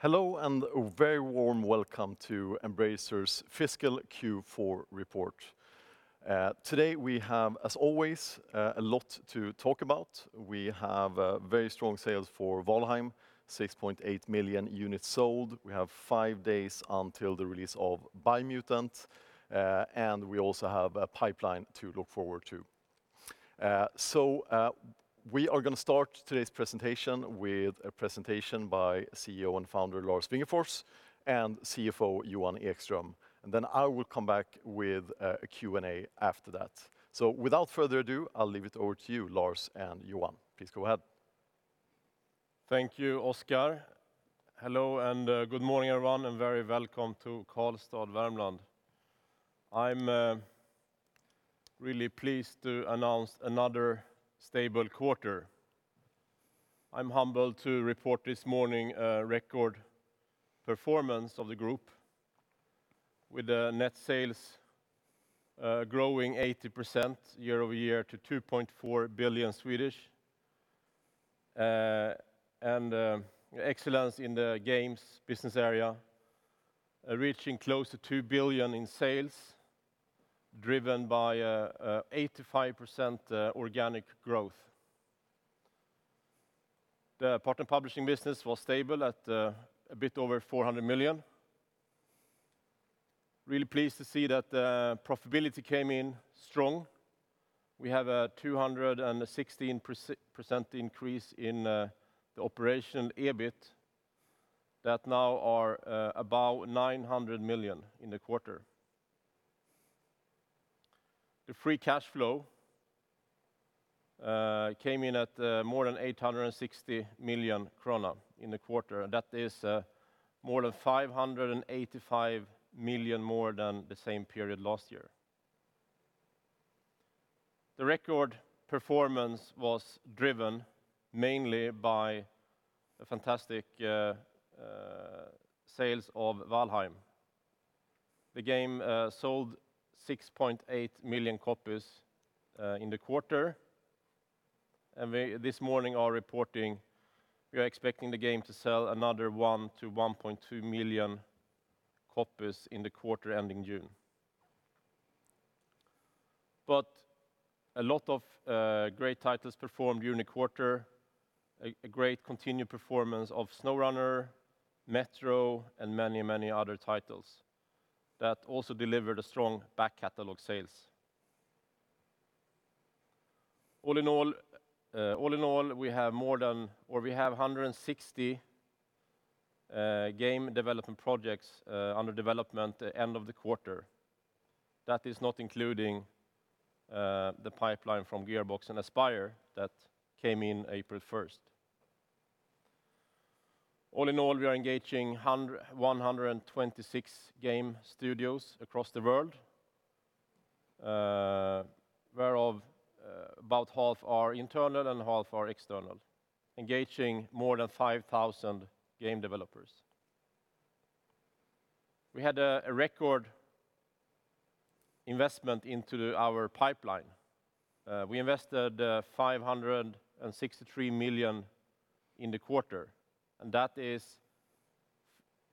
Hello, a very warm welcome to Embracer's fiscal Q4 report. Today we have, as always, a lot to talk about. We have very strong sales for Valheim, 6.8 million units sold. We have five days until the release of Biomutant. We also have a pipeline to look forward to. We are going to start today's presentation with a presentation by CEO and founder, Lars Wingefors, and CFO, Johan Ekström. Then I will come back with a Q&A after that. Without further ado, I'll leave it over to you, Lars and Johan. Please go ahead. Thank you, Oscar. Hello, good morning, everyone, and very welcome to Karlstad, Värmland. I'm really pleased to announce another stable quarter. I'm humbled to report this morning a record performance of the group with net sales growing 80% year-over-year to 2.4 billion, and excellence in the games business area, reaching close to 2 billion in sales, driven by 85% organic growth. The partner publishing business was stable at a bit over 400 million. Really pleased to see that the profitability came in strong. We have a 216% increase in the operation EBIT that now are about 900 million in the quarter. The free cash flow came in at more than 860 million krona in the quarter, and that is more than 585 million more than the same period last year. The record performance was driven mainly by the fantastic sales of Valheim. The game sold 6.8 million copies in the quarter. This morning are reporting we are expecting the game to sell another one to 1.2 million copies in the quarter ending June. A lot of great titles performed during the quarter. A great continued performance of SnowRunner, Metro, and many other titles that also delivered strong back-catalog sales. All in all, we have 160 game development projects under development at the end of the quarter. That is not including the pipeline from Gearbox and Aspyr that came in April 1st. All in all, we are engaging 126 game studios across the world. Whereof about half are internal and half are external, engaging more than 5,000 game developers. We had a record investment into our pipeline. We invested 563 million in the quarter. That is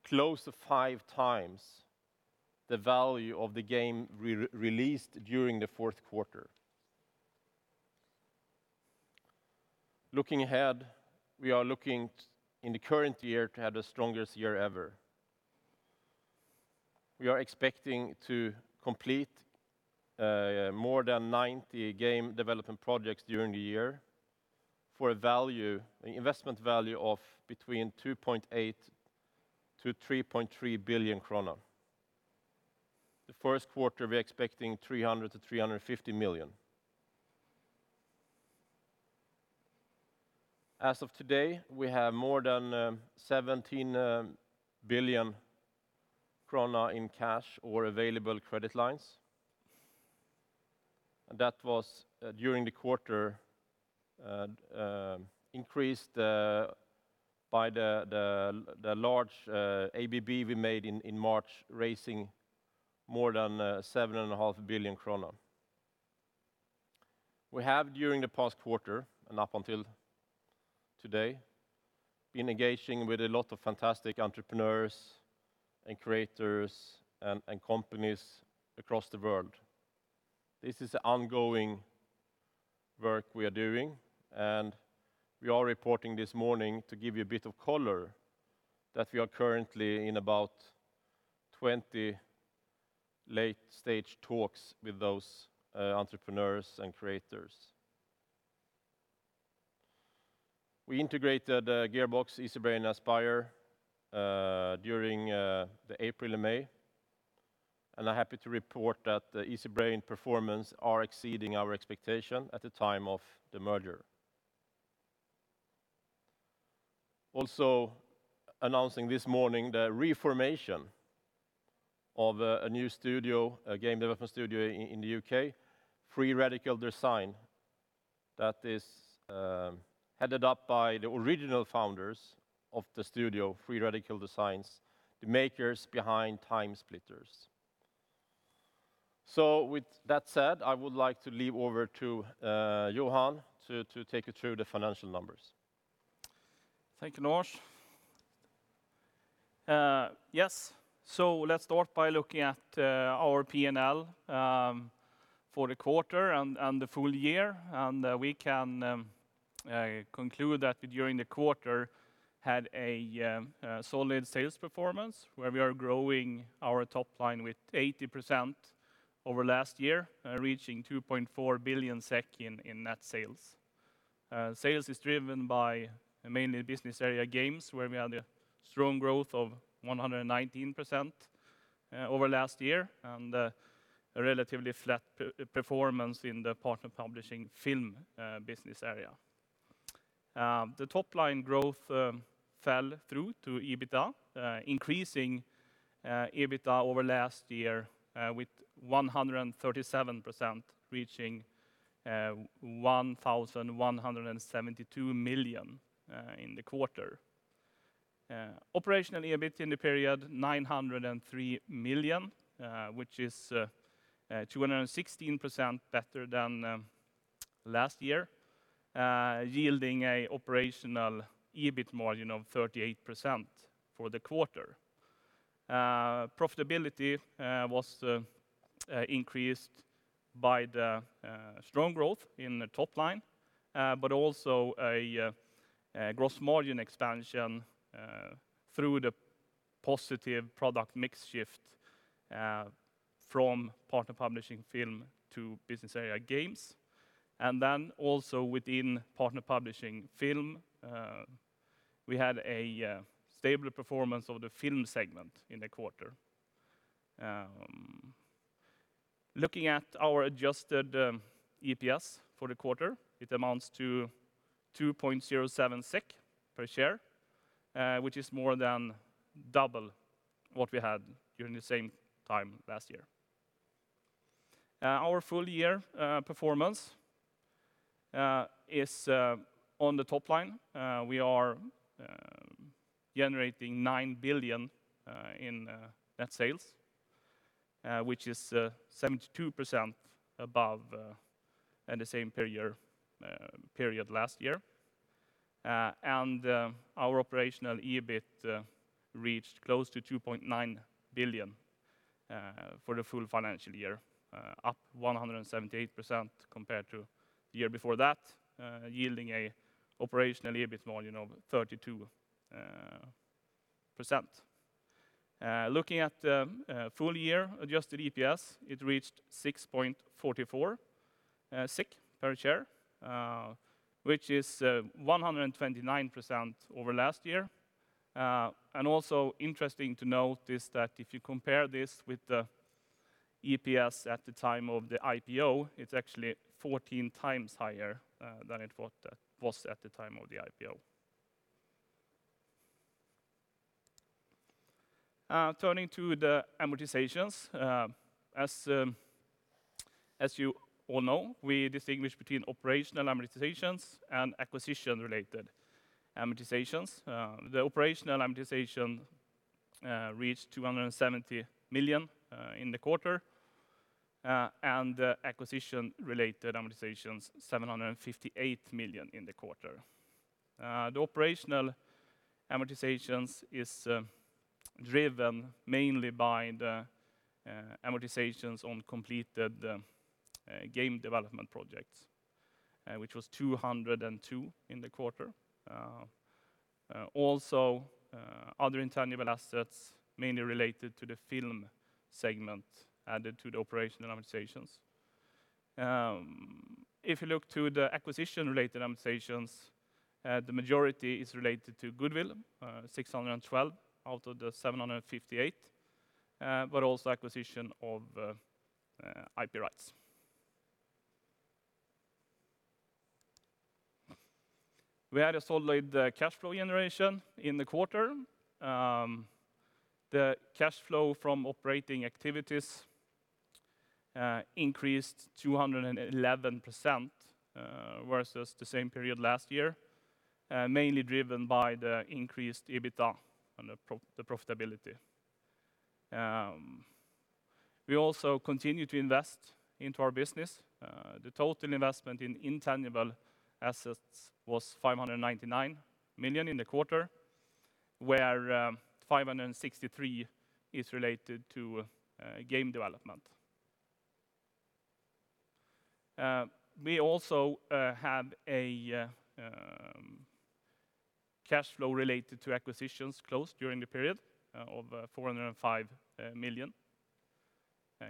close to five times the value of the game released during the fourth quarter. Looking ahead, we are looking in the current year to have the strongest year ever. We are expecting to complete more than 90 game development projects during the year for an investment value of between 2.8 billion-3.3 billion krona. The first quarter, we're expecting 300 million-350 million. As of today, we have more than 17 billion krona in cash or available credit lines. That was during the quarter increased by the large ABB we made in March, raising more than 7.5 billion krona. We have, during the past quarter and up until today, been engaging with a lot of fantastic entrepreneurs and creators and companies across the world. This is ongoing work we are doing. We are reporting this morning to give you a bit of color that we are currently in about 20 late-stage talks with those entrepreneurs and creators. We integrated Gearbox, Easybrain, Aspyr during the April and May, and I'm happy to report that the Easybrain performance are exceeding our expectation at the time of the merger. Announcing this morning the reformation of a new game development studio in the U.K., Free Radical Design, that is headed up by the original founders of the studio, Free Radical Design, the makers behind TimeSplitters. With that said, I would like to leave over to Johan to take you through the financial numbers. Thank you, Lars. Yes. Let's start by looking at our P&L for the quarter and the full year, and we can conclude that during the quarter had a solid sales performance, where we are growing our top line with 80% over last year, reaching 2.4 billion SEK in net sales. Sales is driven by mainly business area games, where we had a strong growth of 119% over last year, and a relatively flat performance in the partner publishing film business area. The top line growth fell through to EBITDA, increasing EBITDA over last year with 137%, reaching 1,172 million in the quarter. Operationally, EBIT in the period, 903 million, which is 216% better than last year, yielding an operational EBIT margin of 38% for the quarter. Profitability was increased by the strong growth in the top line, but also a gross margin expansion through the positive product mix shift from Partner Publishing Film to Business Area Games. Then also within Partner Publishing Film, we had a stable performance of the film segment in the quarter. Looking at our adjusted EPS for the quarter, it amounts to 2.07 SEK per share, which is more than double what we had during the same time last year. Our full year performance is on the top line. We are generating 9 billion in net sales, which is 72% above the same period last year. Our operational EBIT reached close to 2.9 billion for the full financial year, up 178% compared to the year before that, yielding an operational EBIT margin of 32%. Looking at the full year adjusted EPS, it reached 6.44 per share, which is 129% over last year. Also interesting to note is that if you compare this with the EPS at the time of the IPO, it's actually 14x higher than it was at the time of the IPO. Turning to the amortizations, as you all know, we distinguish between operational amortizations and acquisition-related amortizations. The operational amortization reached 270 million in the quarter, and the acquisition-related amortizations, 758 million in the quarter. The operational amortizations is driven mainly by the amortizations on completed game development projects, which was 202 million in the quarter. Also, other intangible assets mainly related to the film segment added to the operational amortizations. If you look to the acquisition-related amortizations, the majority is related to goodwill, 612 million out of the 758 million, but also acquisition of IP rights. We had a solid cash flow generation in the quarter. The cash flow from operating activities increased 211% versus the same period last year, mainly driven by the increased EBITDA and the profitability. We also continue to invest into our business. The total investment in intangible assets was 599 million in the quarter, where 563 is related to game development. We also had a cash flow related to acquisitions closed during the period of 405 million.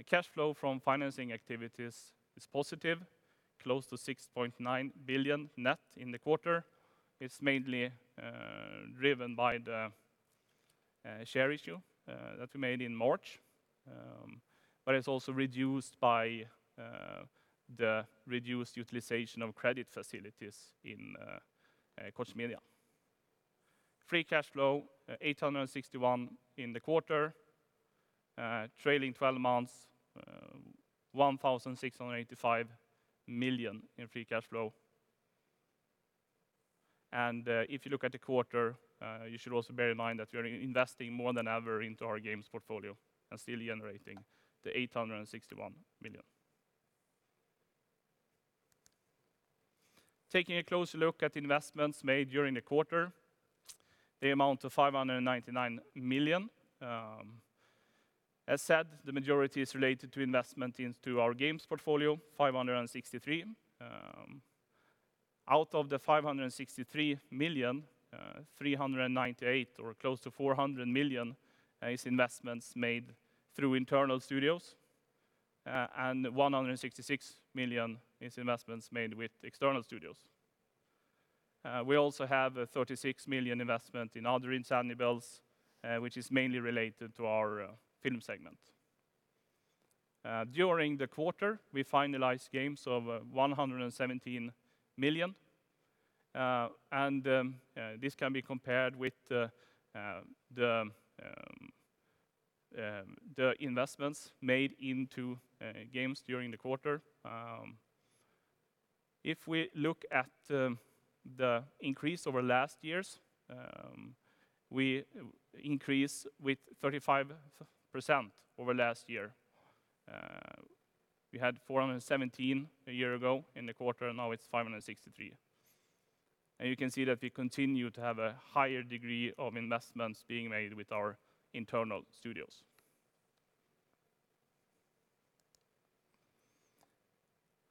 Cash flow from financing activities is positive, close to 6.9 billion net in the quarter. It's mainly driven by the share issue that we made in March, but it's also reduced by the reduced utilization of credit facilities in Koch Media. Free cash flow, 861 million in the quarter. Trailing 12 months, 1,685 million in free cash flow. If you look at the quarter, you should also bear in mind that we are investing more than ever into our games portfolio and still generating the 861 million. Taking a close look at the investments made during the quarter, they amount to 599 million. As said, the majority is related to investment into our games portfolio, 563 million. Out of the 563 million, 398 million, or close to 400 million, is investments made through internal studios, and 166 million is investments made with external studios. We also have a 36 million investment in other intangibles, which is mainly related to our film segment. During the quarter, we finalized games of 117 million. This can be compared with the investments made into games during the quarter. If we look at the increase over last year's, we increase with 35% over last year. We had 417 million a year ago in the quarter, now it's 563 million. You can see that we continue to have a higher degree of investments being made with our internal studios.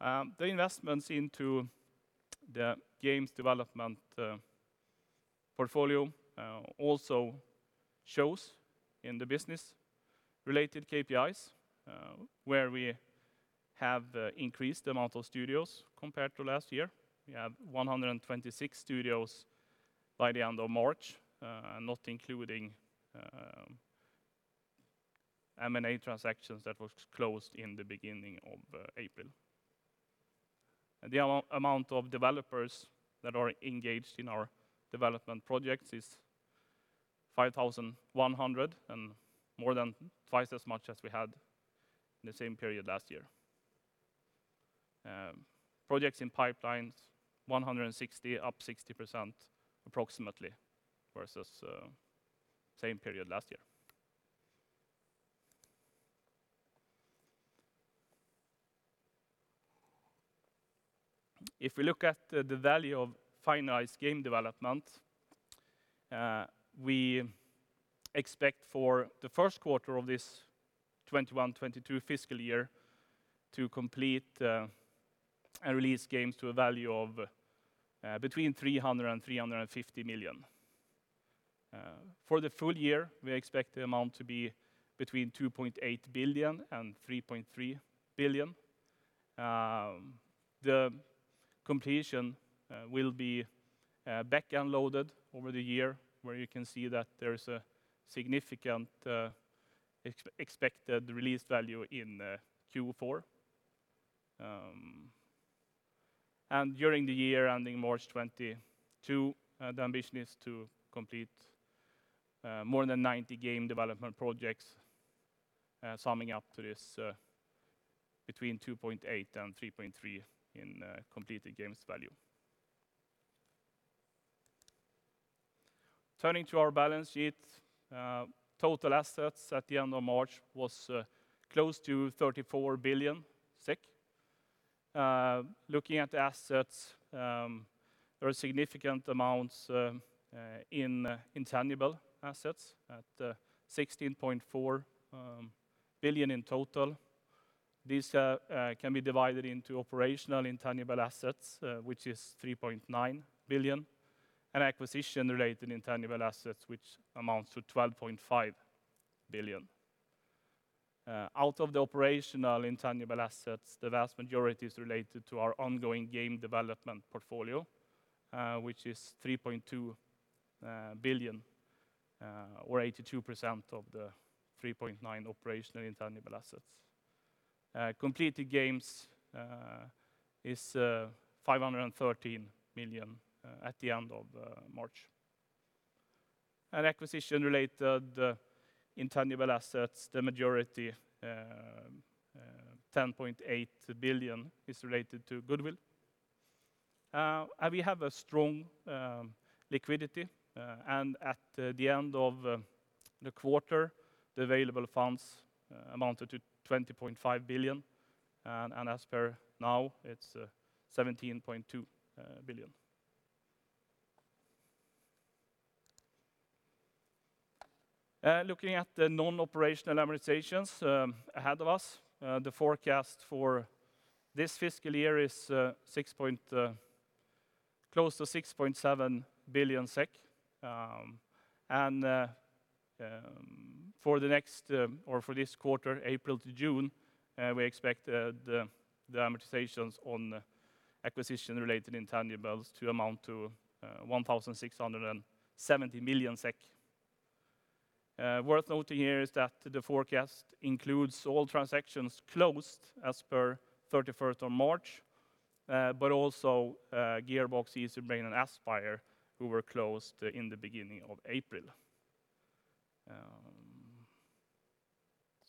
The investments into the games development portfolio also shows in the business related KPIs, where we have increased the amount of studios compared to last year. We had 126 studios by the end of March, not including M&A transactions that were closed in the beginning of April. The amount of developers that are engaged in our development projects is 5,100, and more than twice as much as we had in the same period last year. Projects in pipelines, 160, up 60%, approximately, versus same period last year. If we look at the value of finalized game development, we expect for the first quarter of this 2021/2022 fiscal year to complete and release games to a value of between 300 million and 350 million. For the full year, we expect the amount to be between 2.8 billion and 3.3 billion. The completion will be back-end loaded over the year, where you can see that there's a significant expected release value in Q4. During the year ending March 2022, the ambition is to complete more than 90 game development projects, summing up to this between 2.8 billion and 3.3 billion in completed games value. Turning to our balance sheet, total assets at the end of March was close to 34 billion SEK. Looking at assets, there are significant amounts in intangible assets, at 16.4 billion in total. These can be divided into operational intangible assets, which is 3.9 billion, and acquisition-related intangible assets, which amounts to 12.5 billion. Out of the operational intangible assets, the vast majority is related to our ongoing game development portfolio, which is 3.2 billion, or 82% of the 3.9 billion operational intangible assets. Completed games is 513 million at the end of March. Acquisition-related intangible assets, the majority, 10.8 billion, is related to goodwill. We have a strong liquidity, at the end of the quarter, the available funds amounted to 20.5 billion. As per now, it's 17.2 billion. Looking at the non-operational amortizations ahead of us, the forecast for this fiscal year is close to 6.7 billion SEK. For this quarter, April to June, we expect the amortizations on acquisition-related intangibles to amount to 1,670 million SEK. Worth noting here is that the forecast includes all transactions closed as per 31st of March, but also Gearbox, Easybrain, and Aspyr, who were closed in the beginning of April.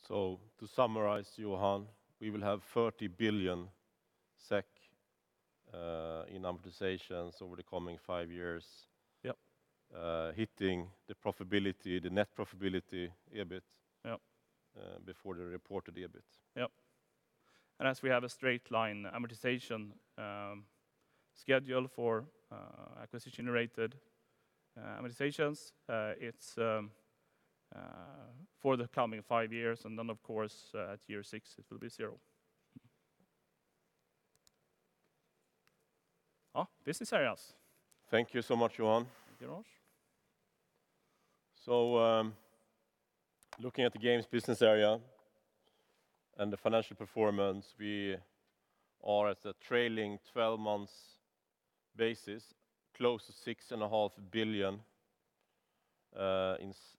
To summarize, Johan, we will have 30 billion SEK in amortizations over the coming five years. Yes. Hitting the net profitability EBIT- Yes before the reported EBIT. Yes. As we have a straight-line amortization schedule for acquisition-related amortizations, it's for the coming five years, and then of course, at year six it will be zero. Business areas. Thank you so much, Johan. Thank you, Lars. Looking at the games business area and the financial performance, we are at a trailing 12 months basis, close to 6.5 billion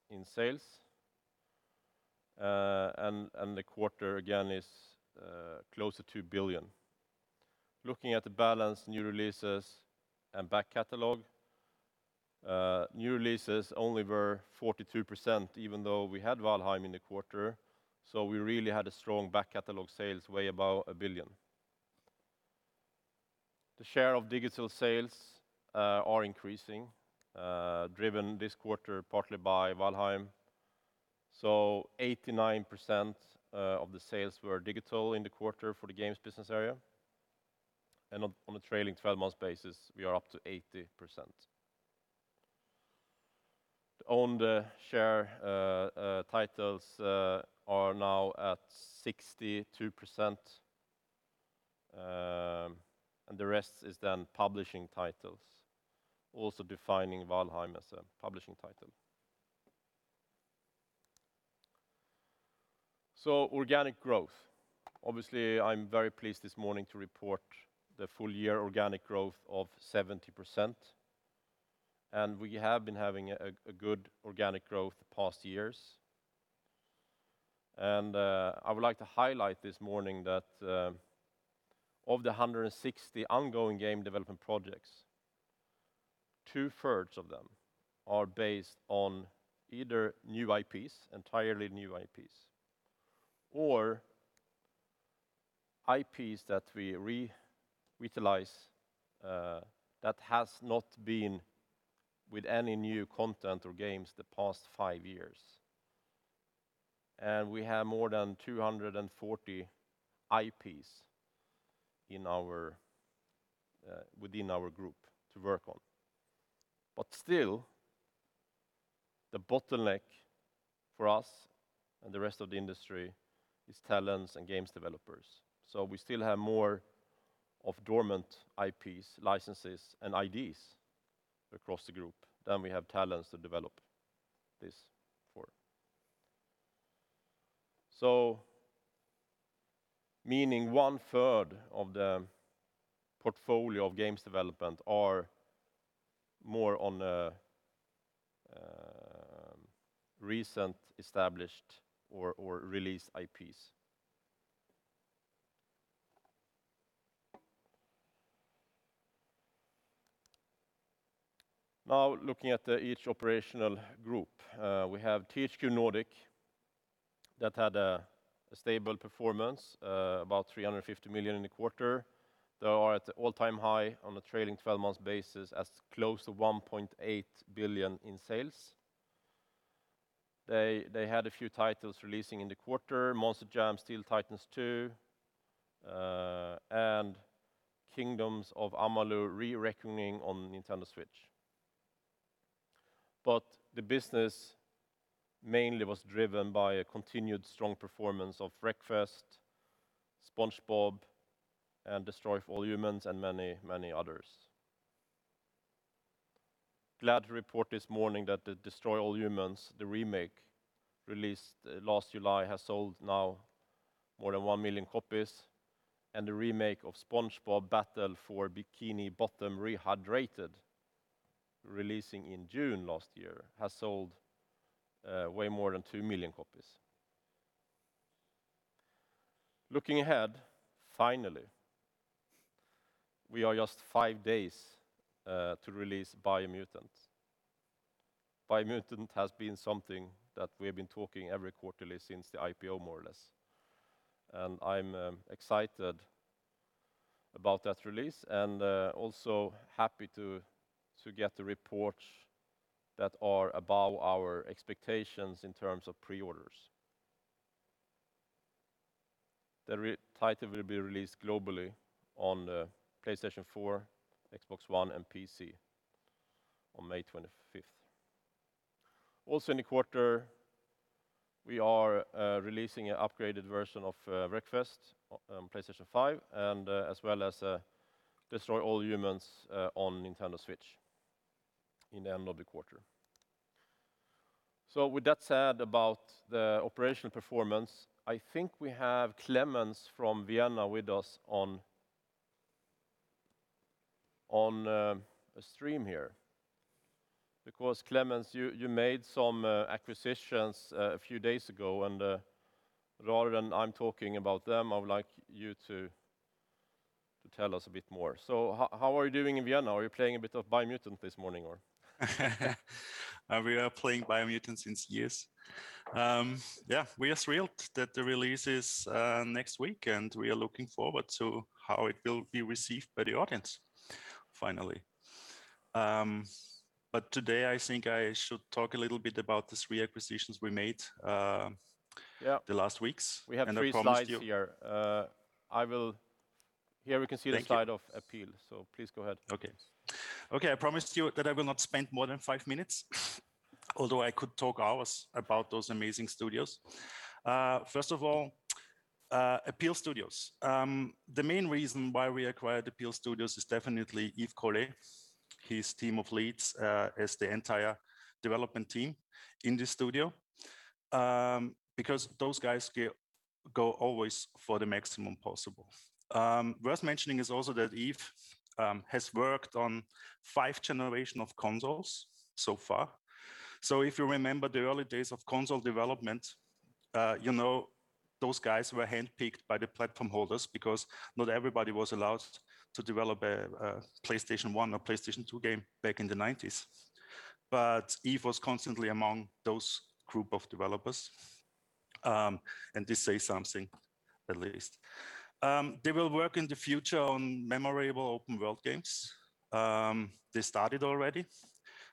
in sales. The quarter again is close to 2 billion. Looking at the balance, new releases, and back catalog, new releases only were 42%, even though we had Valheim in the quarter, so we really had strong back-catalog sales way above 1 billion. The share of digital sales are increasing, driven this quarter partly by Valheim. 89% of the sales were digital in the quarter for the games business area, and on a trailing 12 months basis, we are up to 80%. Owned share titles are now at 62%, and the rest is then publishing titles, also defining Valheim as a publishing title. Organic growth, obviously I'm very pleased this morning to report the full year organic growth of 70%. We have been having a good organic growth the past years. I would like to highlight this morning that of the 160 ongoing game development projects, 2/3 of them are based on either new IPs, entirely new IPs, or IPs that we revitalize that has not been with any new content or games the past five years. We have more than 240 IPs within our group to work on. Still, the bottleneck for us and the rest of the industry is talents and games developers. We still have more of dormant IPs, licenses, and IDs across the group than we have talents to develop this for. Meaning 1/3 of the portfolio of games development are more on a recent established or released IPs. Now looking at each operational group. We have THQ Nordic, that had a stable performance, about 350 million in the quarter. They are at an all-time high on a trailing 12 months basis, as close to 1.8 billion in sales. They had a few titles releasing in the quarter, Monster Jam Steel Titans 2, and Kingdoms of Amalur: Re-Reckoning on Nintendo Switch. The business mainly was driven by a continued strong performance of Wreckfest, SpongeBob, and Destroy All Humans!, and many others. Glad to report this morning that the Destroy All Humans!, the remake, released last July, has sold now more than 1 million copies, and the remake of SpongeBob: Battle for Bikini Bottom - Rehydrated, releasing in June last year, has sold way more than 2 million copies. Looking ahead, finally, we are just five days to release Biomutant. Biomutant has been something that we have been talking every quarterly since the IPO, more or less. I'm excited about that release, and also happy to get the reports that are above our expectations in terms of pre-orders. The title will be released globally on PlayStation 4, Xbox One, and PC on May 25th. Also in the quarter, we are releasing an upgraded version of Wreckfest on PlayStation 5, and as well as Destroy All Humans! on Nintendo Switch in the end of the quarter. With that said about the operational performance, I think we have Klemens from Vienna with us on a stream here. Because Klemens, you made some acquisitions a few days ago, and rather than I'm talking about them, I would like you to tell us a bit more. How are you doing in Vienna? Are you playing a bit of "Biomutant" this morning, or? We are playing Biomutant since years. Yeah, we are thrilled that the release is next week, and we are looking forward to how it will be received by the audience finally. Today I think I should talk a little bit about the three acquisitions we made. Yeah the last weeks. I promised you We have three slides here. Here we can. Thank you the slide of Appeal, so please go ahead. Okay. I promised you that I will not spend more than five minutes, although I could talk hours about those amazing studios. First of all, Appeal Studios. The main reason why we acquired Appeal Studios is definitely Yves Grolet, his team of leads as the entire development team in the studio. Those guys go always for the maximum possible. Worth mentioning is also that Yves has worked on five generation of consoles so far. If you remember the early days of console development, you know those guys were handpicked by the platform holders because not everybody was allowed to develop a PlayStation 1 or PlayStation 2 game back in the 1990s. Yves was constantly among those group of developers, and this says something at least. They will work in the future on memorable open world games. They started already,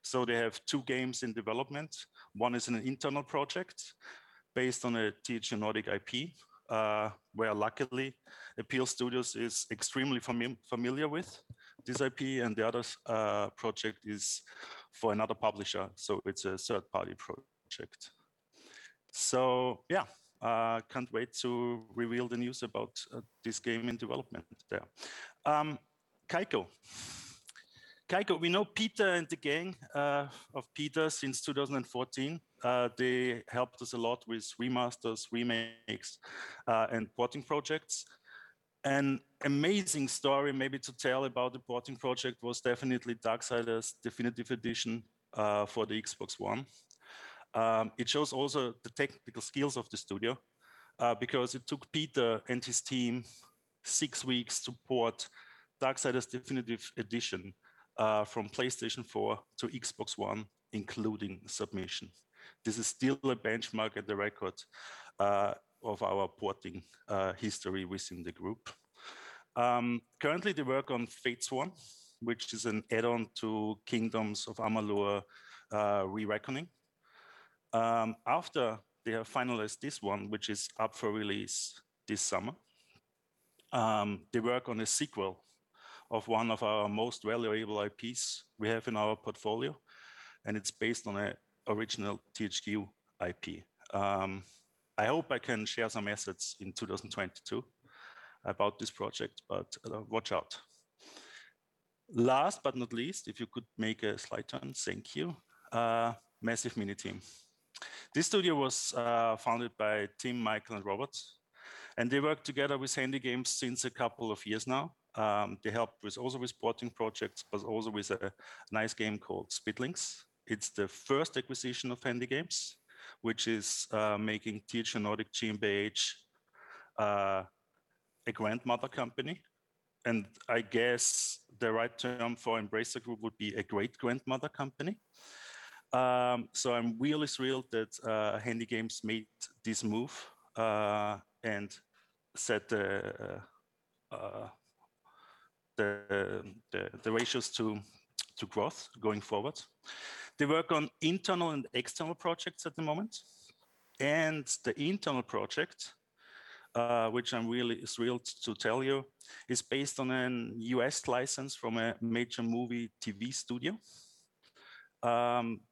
so they have two games in development. One is an internal project based on a THQ Nordic IP, where luckily Appeal Studios is extremely familiar with this IP, and the other project is for another publisher, so it's a third-party project. Yeah, can't wait to reveal the news about this game in development there. Kaiko. We know Peter and the gang of Peter since 2014. They helped us a lot with remasters, remakes, and porting projects. An amazing story maybe to tell about the porting project was definitely Darksiders Warmastered Edition for the Xbox One. It shows also the technical skills of the studio, because it took Peter and his team six weeks to port Darksiders Warmastered Edition from PlayStation 4 to Xbox One, including submission. This is still a benchmark and a record of our porting history within the group. Currently, they work on Fatesworn, which is an add-on to Kingdoms of Amalur: Re-Reckoning. After they are finalized this one, which is up for release this summer, they work on a sequel of one of our most valuable IPs we have in our portfolio, and it's based on a original THQ IP. I hope I can share some assets in 2022 about this project, but watch out. Last but not least, if you could make a slide turn. Thank you. Massive Miniteam. This studio was founded by Tim, Michael, and Robert, and they worked together with HandyGames since a couple of years now. They helped with also with porting projects, but also with a nice game called Spitlings. It's the first acquisition of HandyGames, which is making THQ Nordic team, a grandmother company, and I guess the right term for Embracer Group would be a great-grandmother company. I'm really thrilled that HandyGames made this move, and set the ratios to growth going forward. They work on internal and external projects at the moment, and the internal project, which I'm really thrilled to tell you, is based on a U.S. license from a major movie TV studio.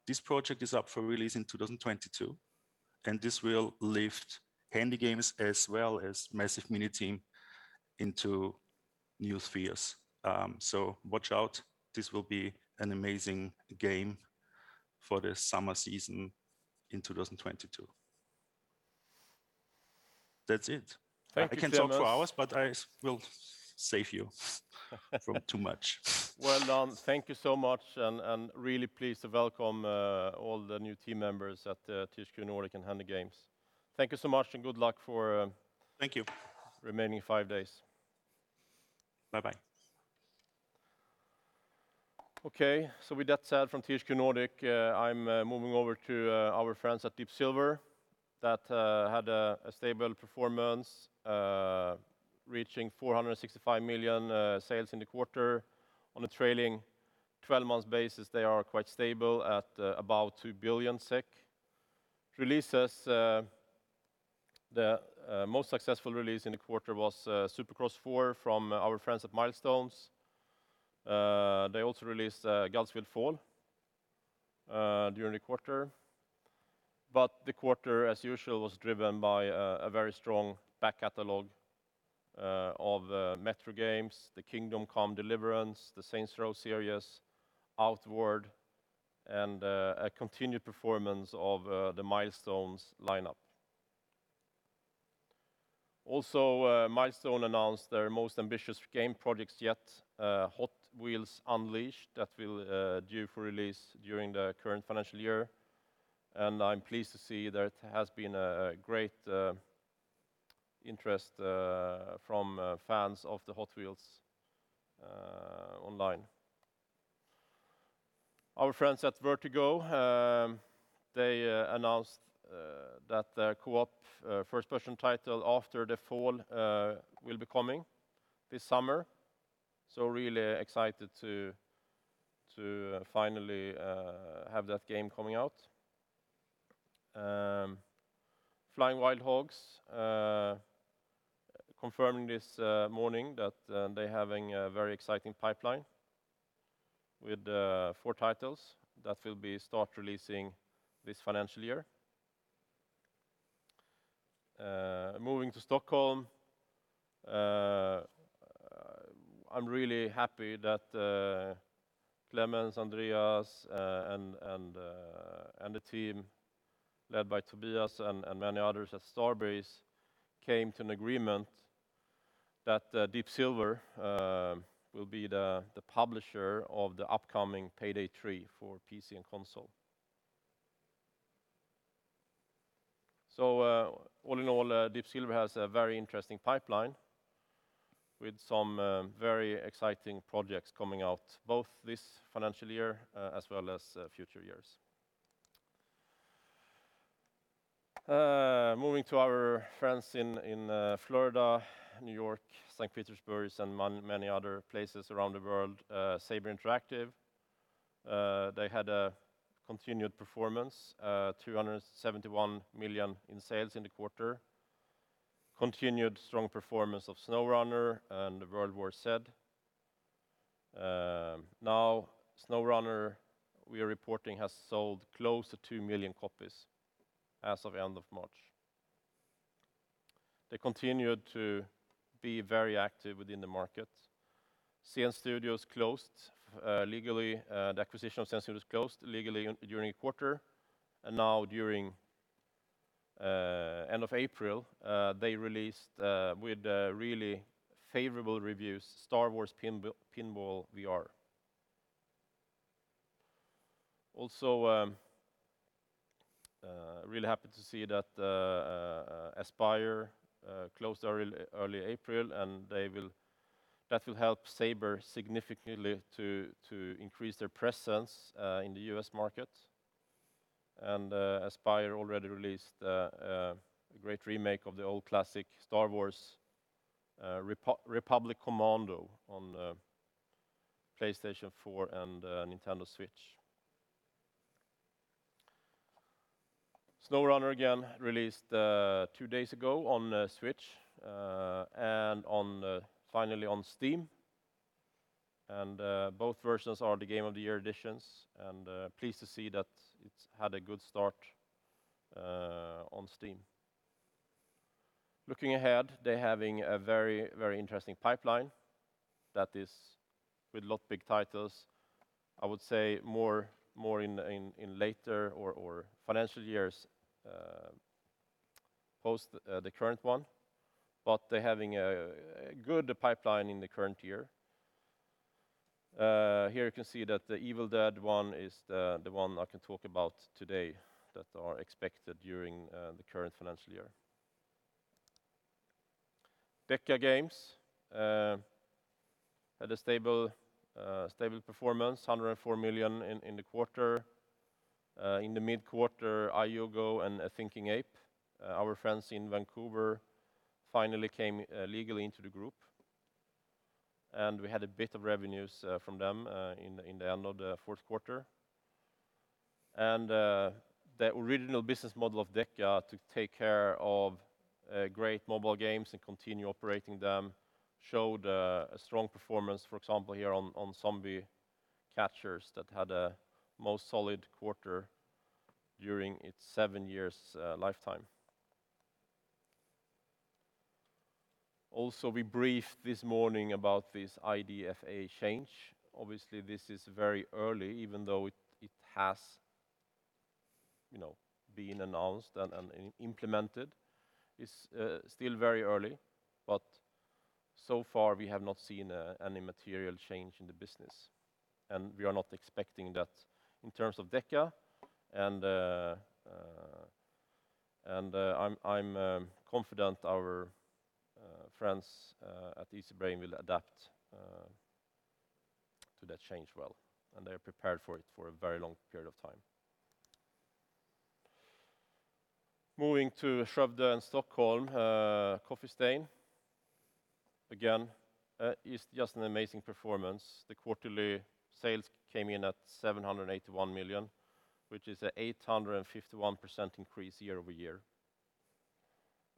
This project is up for release in 2022, and this will lift HandyGames as well as Massive Miniteam into new spheres. Watch out, this will be an amazing game for the summer season in 2022. That's it. I can talk for hours, but I will save you from too much. Well done. Thank you so much. Really pleased to welcome all the new team members at THQ Nordic and HandyGames. Thank you so much. Good luck. Thank you. remaining five days. Bye-bye. Okay, with that said from THQ Nordic, I'm moving over to our friends at Deep Silver that had a stable performance, reaching 465 million sales in the quarter. On a trailing 12 months basis, they are quite stable at about 2 billion SEK. Releases, the most successful release in the quarter was Supercross 4 from our friends at Milestone. They also released Gods Will Fall during the quarter. The quarter, as usual, was driven by a very strong back catalog of the Metro games, the Kingdom Come: Deliverance, the Saints Row series, Outward, and a continued performance of the Milestone's lineup. Milestone announced their most ambitious game project yet, Hot Wheels Unleashed, that will due for release during the current financial year. I'm pleased to see there has been a great interest from fans of the Hot Wheels online. Our friends at Vertigo, they announced that the co-op first-person title After the Fall will be coming this summer. Really excited to finally have that game coming out. Flying Wild Hog confirmed this morning that they're having a very exciting pipeline with four titles that will be start releasing this financial year. Moving to Stockholm, I'm really happy that Klemens, Andreas, and the team led by Tobias and many others at Starbreeze came to an agreement that Deep Silver will be the publisher of the upcoming Payday 3 for PC and console. All in all, Deep Silver has a very interesting pipeline with some very exciting projects coming out, both this financial year as well as future years. Moving to our friends in Florida, New York, St. Petersburg, and many other places around the world, Saber Interactive, they had a continued performance, 371 million in sales in the quarter. Continued strong performance of SnowRunner and World War Z. Now, SnowRunner we are reporting has sold close to 2 million copies as of end of March. They continued to be very active within the market. The acquisition of Zen Studios closed legally during the quarter, and now during end of April, they released, with really favorable reviews, Star Wars Pinball VR. Also, really happy to see that Aspyr closed early April, and that will help Saber significantly to increase their presence in the U.S. market. Aspyr already released a great remake of the old classic Star Wars: Republic Commando on the PlayStation 4 and Nintendo Switch. SnowRunner, again, released two days ago on the Switch, and finally on Steam. Both versions are the Game of the Year editions, and pleased to see that it's had a good start on Steam. Looking ahead, they're having a very interesting pipeline that is with a lot of big titles. I would say more in later or financial years post the current one. They're having a good pipeline in the current year. Here you can see that the Evil Dead one is the one I can talk about today that are expected during the current financial year. DECA Games had a stable performance, 104 million in the quarter. In the mid-quarter, IUGO and A Thinking Ape, our friends in Vancouver, finally came legally into the group, and we had a bit of revenues from them in the end of the fourth quarter. The original business model of DECA to take care of great mobile games and continue operating them showed a strong performance, for example, here on Zombie Catchers that had a most solid quarter during its seven years lifetime. We briefed this morning about this IDFA change. This is very early, even though it has been announced and implemented. It's still very early, but so far we have not seen any material change in the business, and we are not expecting that in terms of DECA. I'm confident our friends at Easybrain will adapt to that change well, and they're prepared for it for a very long period of time. Moving to Skövde and Stockholm, Coffee Stain, again, is just an amazing performance. The quarterly sales came in at 781 million, which is a 851% increase year-over-year.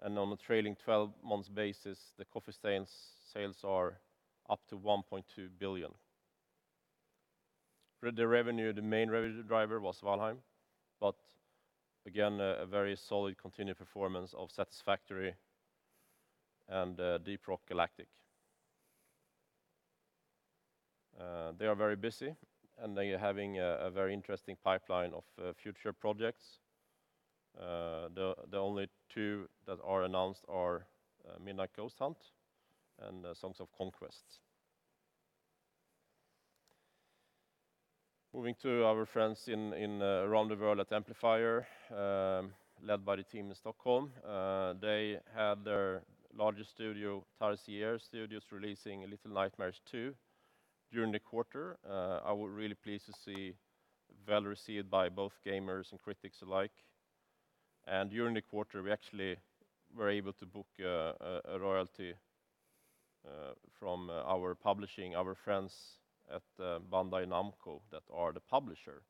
On a trailing 12 months basis, Coffee Stain's sales are up to 1.2 billion. For the revenue, the main revenue driver was Valheim, but again, a very solid continued performance of Satisfactory and Deep Rock Galactic. They are very busy, and they are having a very interesting pipeline of future projects. The only two that are announced are Midnight Ghost Hunt and Songs of Conquest. Moving to our friends in Karlstad at Amplifier, led by the team in Stockholm. They had their largest studio, Tarsier Studios, releasing Little Nightmares II during the quarter. I was really pleased to see well received by both gamers and critics alike. During the quarter, we actually were able to book a royalty from our publishing, our friends at Bandai Namco, that are the publisher,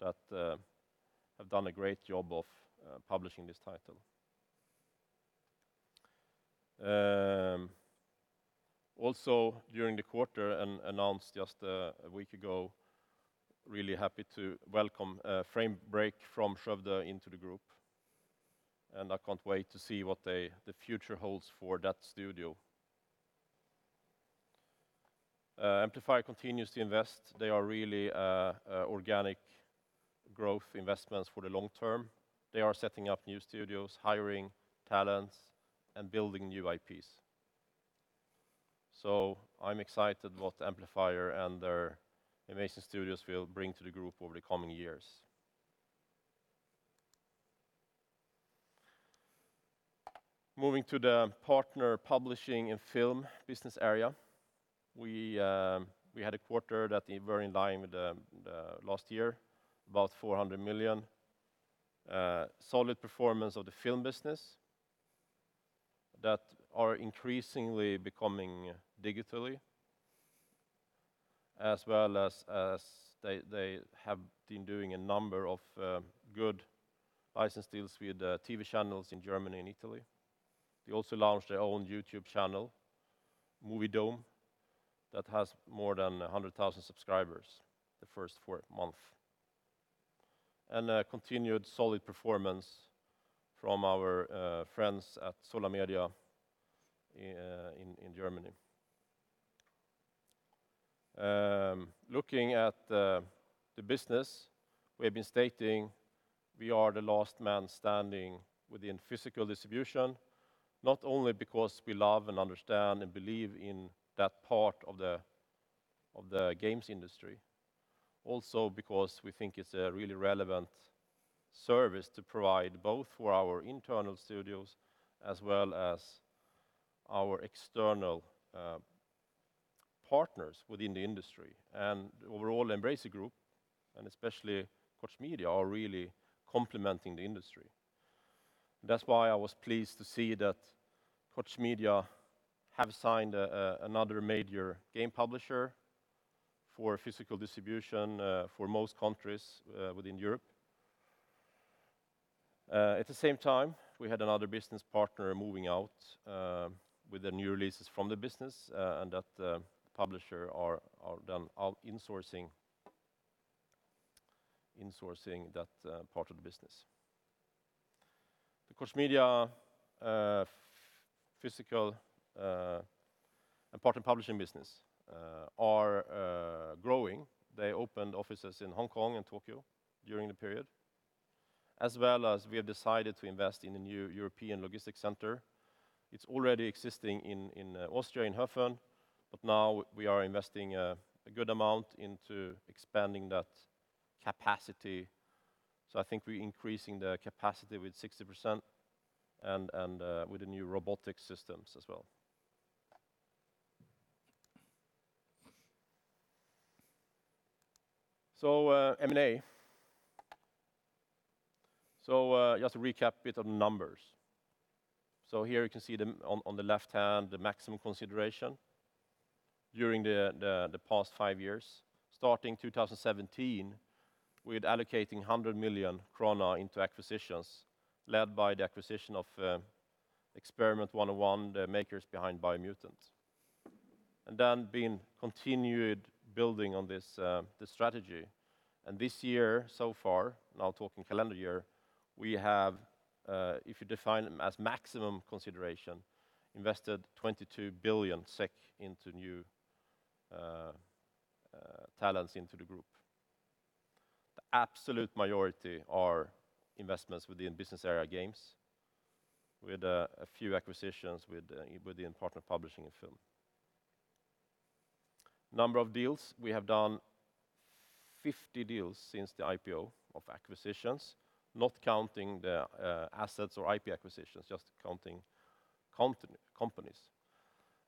that have done a great job of publishing this title. During the quarter and announced just a week ago, really happy to welcome FRAME BREAK from Skövde into the group, and I can't wait to see what the future holds for that studio. Amplifier continues to invest. They are really organic growth investments for the long term. They are setting up new studios, hiring talents, and building new IPs. I'm excited what Amplifier and their amazing studios will bring to the group over the coming years. Moving to the partner publishing and film business area, we had a quarter that is very in line with last year, about 400 million. Solid performance of the film business that are increasingly becoming digitally, as well as they have been doing a number of good license deals with TV channels in Germany and Italy. They also launched their own YouTube channel, MovieDome, that has more than 100,000 subscribers the first month. A continued solid performance from our friends at Sola Media in Germany. Looking at the business, we've been stating we are the last man standing within physical distribution, not only because we love and understand and believe in that part of the games industry, also because we think it's a really relevant service to provide both for our internal studios as well as our external partners within the industry. Overall, Embracer Group, and especially Koch Media, are really complementing the industry. That's why I was pleased to see that Koch Media have signed another major game publisher for physical distribution for most countries within Europe. At the same time, we had another business partner moving out with the new releases from the business, and that the publisher are done insourcing that part of the business. The Koch Media physical and partner publishing business are growing. They opened offices in Hong Kong and Tokyo during the period, as well as we have decided to invest in a new European logistic center. It's already existing in Austria, in Höfen, now we are investing a good amount into expanding that capacity. I think we're increasing the capacity with 60%, and with the new robotic systems as well. M&A. Just to recap a bit of numbers. Here you can see on the left hand, the maximum consideration during the past five years. Starting 2017, we're allocating 100 million krona into acquisitions, led by the acquisition of Experiment 101, the makers behind Biomutant. We have continued building on this strategy. This year so far, now talking calendar year, we have, if you define it as maximum consideration, invested 22 billion SEK into new talents into the group. The absolute majority are investments within business area games, with a few acquisitions within partner publishing and film. Number of deals, we have done 50 deals since the IPO of acquisitions, not counting the assets or IP acquisitions, just counting companies.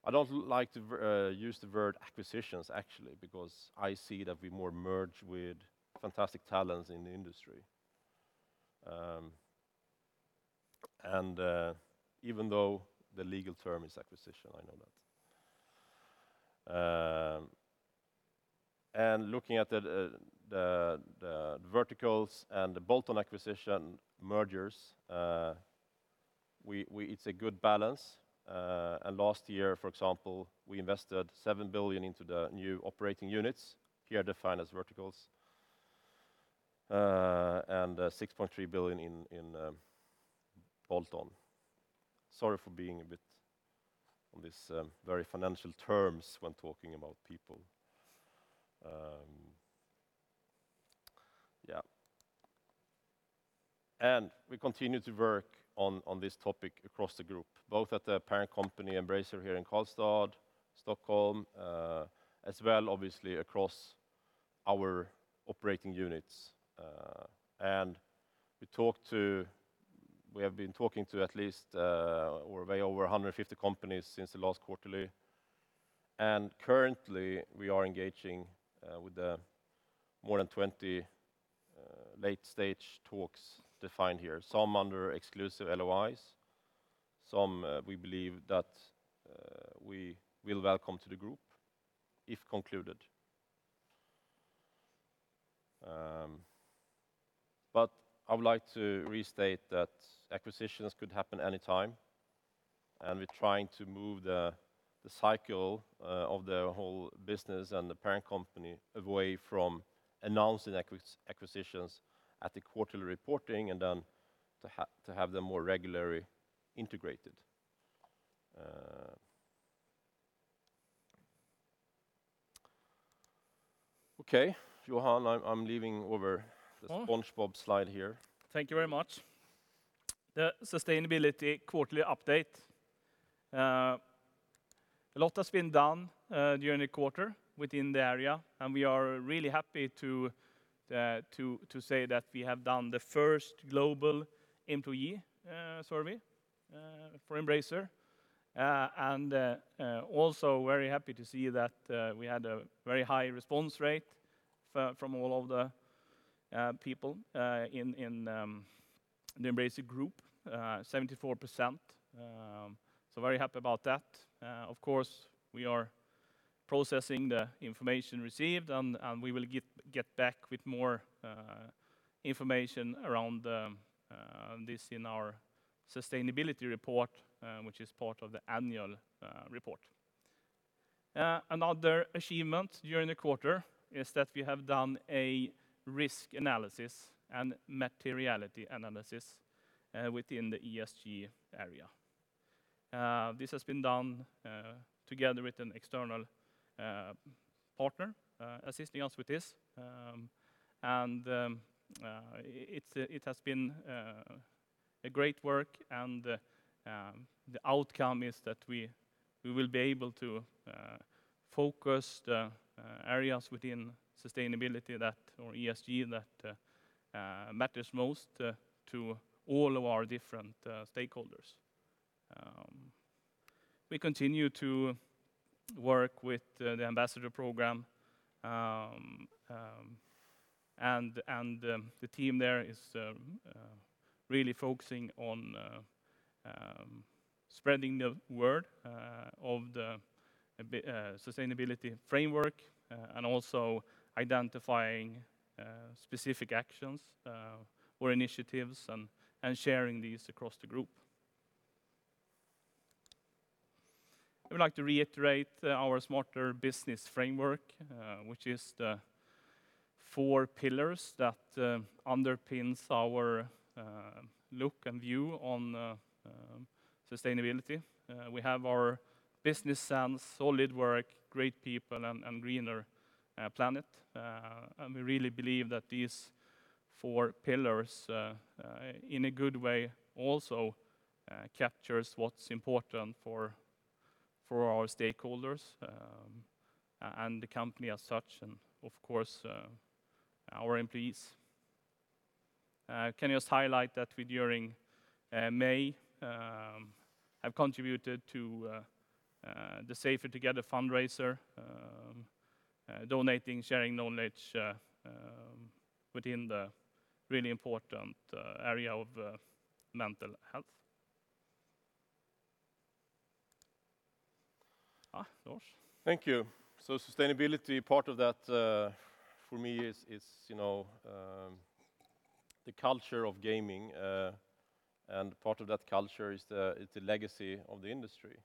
I don't like to use the word acquisitions, actually, because I see that we more merge with fantastic talents in the industry. Even though the legal term is acquisition, I know that. Looking at the verticals and the bolt-on acquisition mergers, it's a good balance. Last year, for example, we invested 7 billion into the new operating units, here defined as verticals, and SEK 6.3 billion in bolt-on. Sorry for being a bit on these very financial terms when talking about people. Yeah. We continue to work on this topic across the group, both at the parent company, Embracer, here in Karlstad, Stockholm, as well, obviously, across our operating units. We have been talking to at least way over 150 companies since the last quarterly. Currently, we are engaging with more than 20 late-stage talks defined here, some under exclusive LOIs, some we believe that we will welcome to the group if concluded. I would like to restate that acquisitions could happen anytime, and we're trying to move the cycle of the whole business and the parent company away from announcing acquisitions at the quarterly reporting and then to have them more regularly integrated. Okay, Johan, I'm leaving over the SpongeBob slide here. Thank you very much. The sustainability quarterly update. A lot has been done during the quarter within the area, and we are really happy to say that we have done the first global employee survey for Embracer. Also very happy to see that we had a very high response rate from all of the people in the Embracer Group, 74%. Very happy about that. Of course, we are processing the information received, and we will get back with more information around this in our sustainability report, which is part of the annual report. Another achievement during the quarter is that we have done a risk analysis and materiality analysis within the ESG area. This has been done together with an external partner assisting us with this. It has been great work, and the outcome is that we will be able to focus the areas within sustainability or ESG that matters most to all of our different stakeholders. We continue to work with the Ambassador Program. The team there is really focusing on spreading the word of the sustainability framework and also identifying specific actions or initiatives and sharing these across the group. We would like to reiterate our Smarter Business Framework, which is the four pillars that underpins our look and view on sustainability. We have our Business Sense, Solid Work, Great People, and Greener Planet. We really believe that these four pillars, in a good way, also captures what's important for our stakeholders and the company as such, and of course, our employees. Can just highlight that during May, I contributed to the Safer Together fundraiser, donating, sharing knowledge within the really important area of mental health. Lars. Thank you. Sustainability, part of that for me is the culture of gaming, and part of that culture is the legacy of the industry.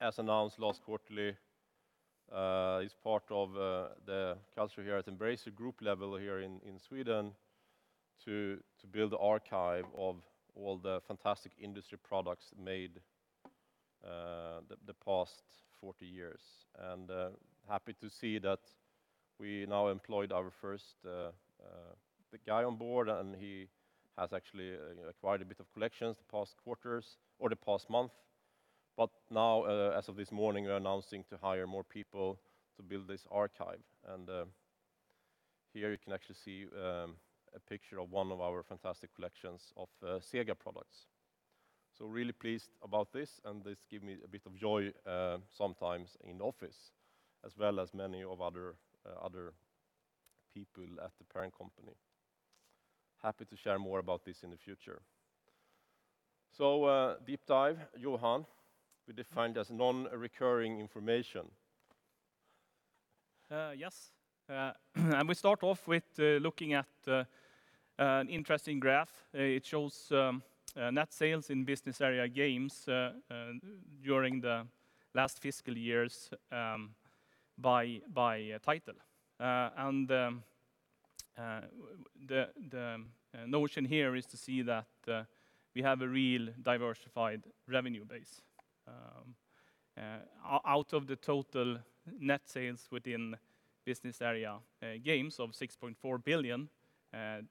As announced last quarterly, is part of the culture here at Embracer Group level here in Sweden to build archive of all the fantastic industry products made the past 40 years. Happy to see that we now employed our first guy on board, and he has actually acquired a bit of collections the past quarters or the past month. Now, as of this morning, we're announcing to hire more people to build this archive. Here you can actually see a picture of one of our fantastic collections of Sega products. Really pleased about this, and this give me a bit of joy sometimes in office, as well as many of other people at the parent company. Happy to share more about this in the future. Deep dive, Johan, we defined as non-recurring information. Yes. We start off with looking at an interesting graph. It shows net sales in business area games during the last fiscal years by title. The notion here is to see that we have a real diversified revenue base. Out of the total net sales within business area games of 6.4 billion,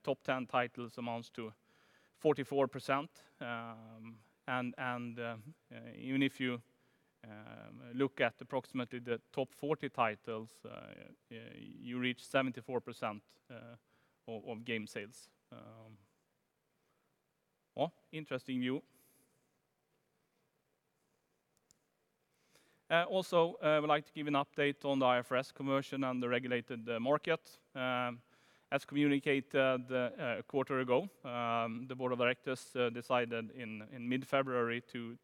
top 10 titles amounts to 44%. Even if you look at approximately the top 40 titles, you reach 74% of game sales. Interesting view. Also, I would like to give an update on the IFRS conversion and the regulated market. As communicated a quarter ago, the board of directors decided in mid-February to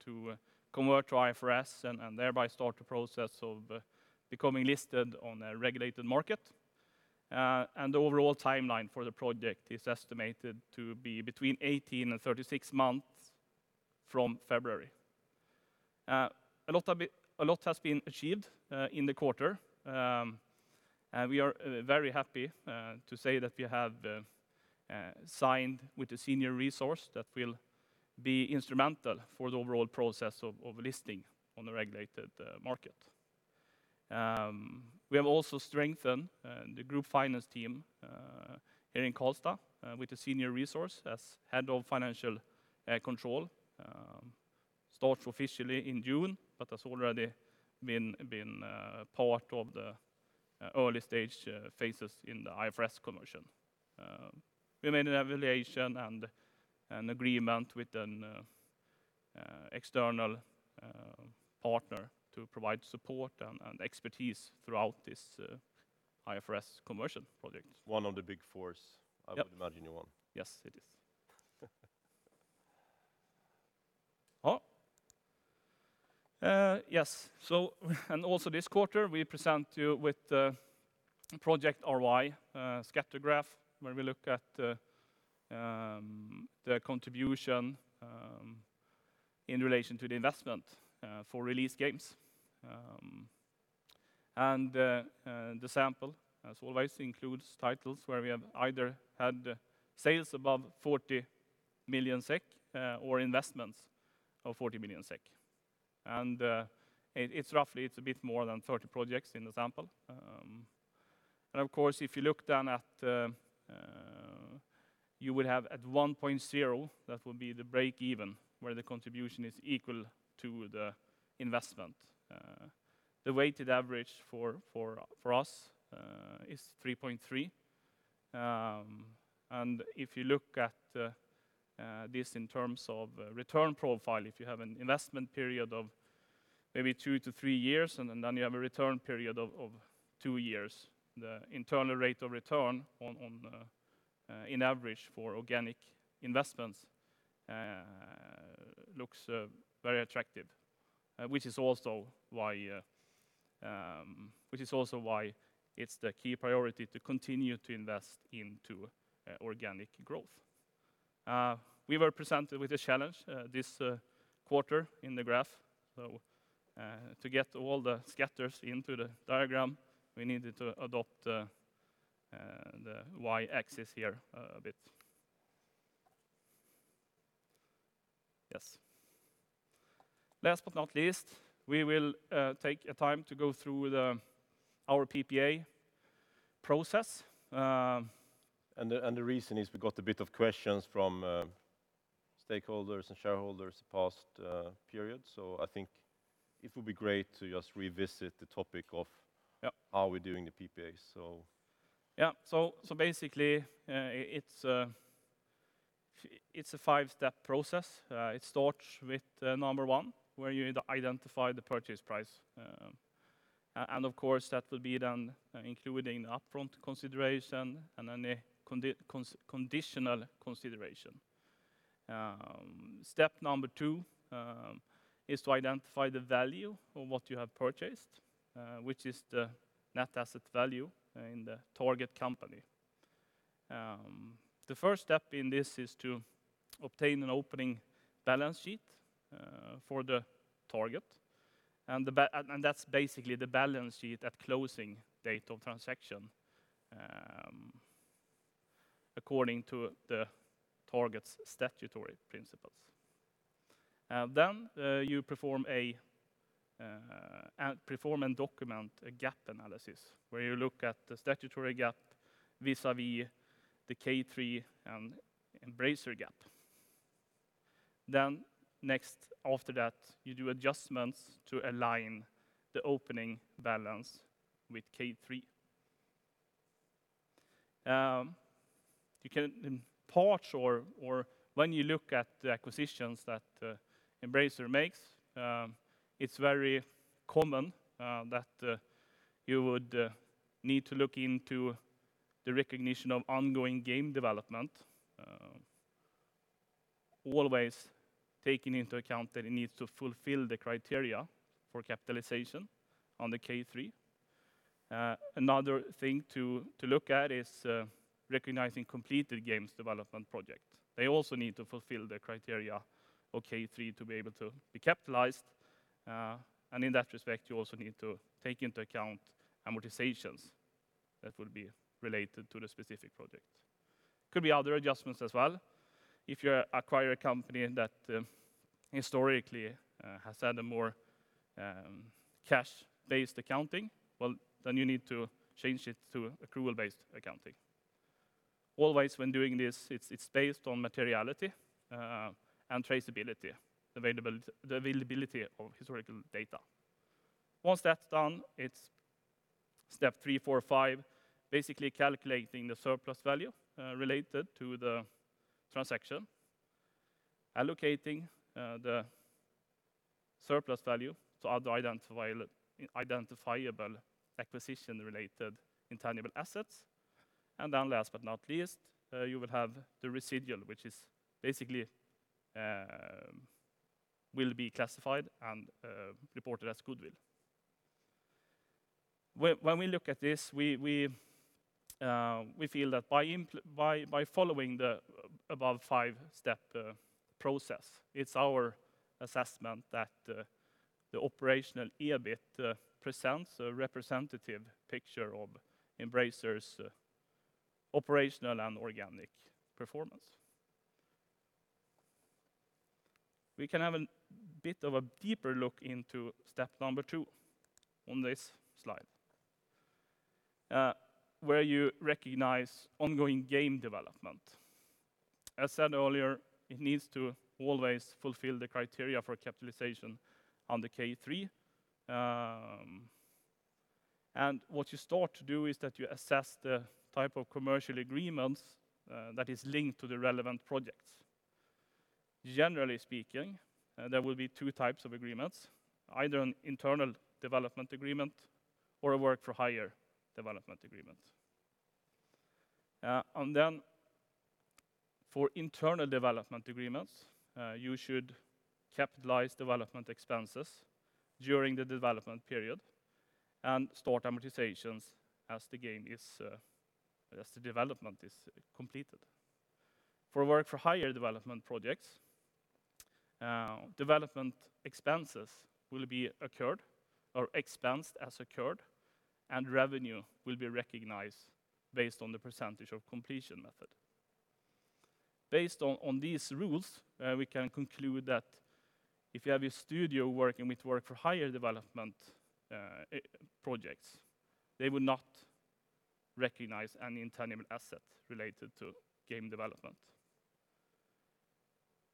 convert to IFRS and thereby start the process of becoming listed on a regulated market. The overall timeline for the project is estimated to be between 18 and 36 months from February. A lot has been achieved in the quarter. We are very happy to say that we have signed with a senior resource that will be instrumental for the overall process of listing on the regulated market. We have also strengthened the group finance team here in Karlstad with a senior resource as head of financial control. Start officially in June, has already been part of the early stage phases in the IFRS conversion. We made an evaluation and an agreement with an external partner to provide support and expertise throughout this IFRS conversion project. One of the Big Fours, I would imagine. Yes, it is. Yes. Also this quarter, we present you with the project ROI scatter graph, where we look at the contribution in relation to the investment for released games. The sample, as always, includes titles where we have either had sales above 40 million SEK or investments of 40 million SEK. It's roughly a bit more than 30 projects in the sample. Of course, if you look down at 1.0x, that would be the breakeven, where the contribution is equal to the investment. The weighted average for us is 3.3x. If you look at this in terms of return profile, if you have an investment period of maybe two to three years, then you have a return period of two years, the internal rate of return in average for organic investments looks very attractive. It's also why it's the key priority to continue to invest into organic growth. We were presented with a challenge this quarter in the graph. To get all the scatters into the diagram, we needed to adopt the Y-axis here a bit. Yes. Last but not least, we will take time to go through our PPA process. The reason is we got a bit of questions from stakeholders and shareholders the past period. I think it would be great to just revisit the topic of how we're doing a PPA. Basically, it's a five-step process. It starts with number one, where you identify the purchase price. Of course, that will be then including upfront consideration and any conditional consideration. Step number two is to identify the value of what you have purchased, which is the net asset value in the target company. The first step in this is to obtain an opening balance sheet for the target, and that's basically the balance sheet at closing date of transaction according to the target's statutory principles. You perform and document a gap analysis, where you look at the statutory GAAP vis-à-vis the K3 and Embracer GAAP. Next after that, you do adjustments to align the opening balance with K3. In part or when you look at the acquisitions that Embracer makes, it's very common that you would need to look into the recognition of ongoing game development, always taking into account that it needs to fulfill the criteria for capitalization on the K3. Another thing to look at is recognizing completed games development project. They also need to fulfill the criteria of K3 to be able to be capitalized. In that respect, you also need to take into account amortizations that will be related to the specific project. Could be other adjustments as well. If you acquire a company that historically has had a more cash-based accounting, well, then you need to change it to accrual-based accounting. Always when doing this, it's based on materiality and traceability, the availability of historical data. Once that's done, it's step three, four, five, basically calculating the surplus value related to the transaction, allocating the surplus value to other identifiable acquisition-related intangible assets. Last but not least, you will have the residual, which basically will be classified and reported as goodwill. When we look at this, we feel that by following the above five-step process, it's our assessment that the operational EBIT presents a representative picture of Embracer's operational and organic performance. We can have a bit of a deeper look into step number two on this slide, where you recognize ongoing game development. As said earlier, it needs to always fulfill the criteria for capitalization under K3. What you start to do is that you assess the type of commercial agreements that is linked to the relevant projects. Generally speaking, there will be two types of agreements, either an internal development agreement or a work for hire development agreement. For internal development agreements, you should capitalize development expenses during the development period and start amortizations as the development is completed. For work for hire development projects, development expenses will be expensed as incurred, and revenue will be recognized based on the percentage of completion method. Based on these rules, we can conclude that if you have a studio working with work for hire development projects, they will not recognize any intangible assets related to game development.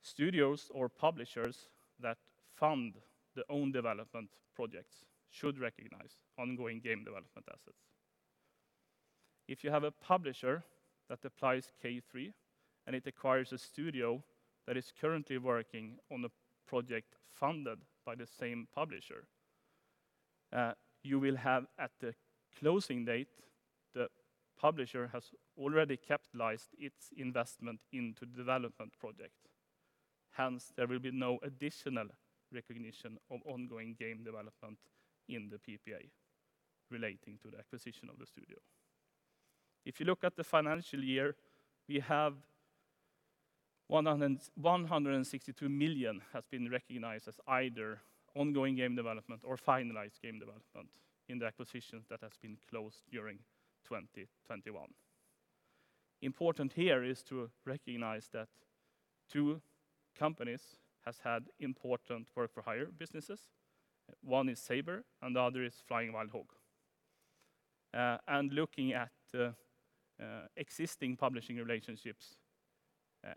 Studios or publishers that fund their own development projects should recognize ongoing game development assets. If you have a publisher that applies K3 and it acquires a studio that is currently working on a project funded by the same publisher, you will have at the closing date, the publisher has already capitalized its investment into development project. Hence, there will be no additional recognition of ongoing game development in the PPA relating to the acquisition of the studio. If you look at the financial year, we have 162 million has been recognized as either ongoing game development or finalized game development in the acquisition that has been closed during 2021. Important here is to recognize that two companies has had important work for hire businesses. One is Saber and the other is Flying Wild Hog. Looking at existing publishing relationships,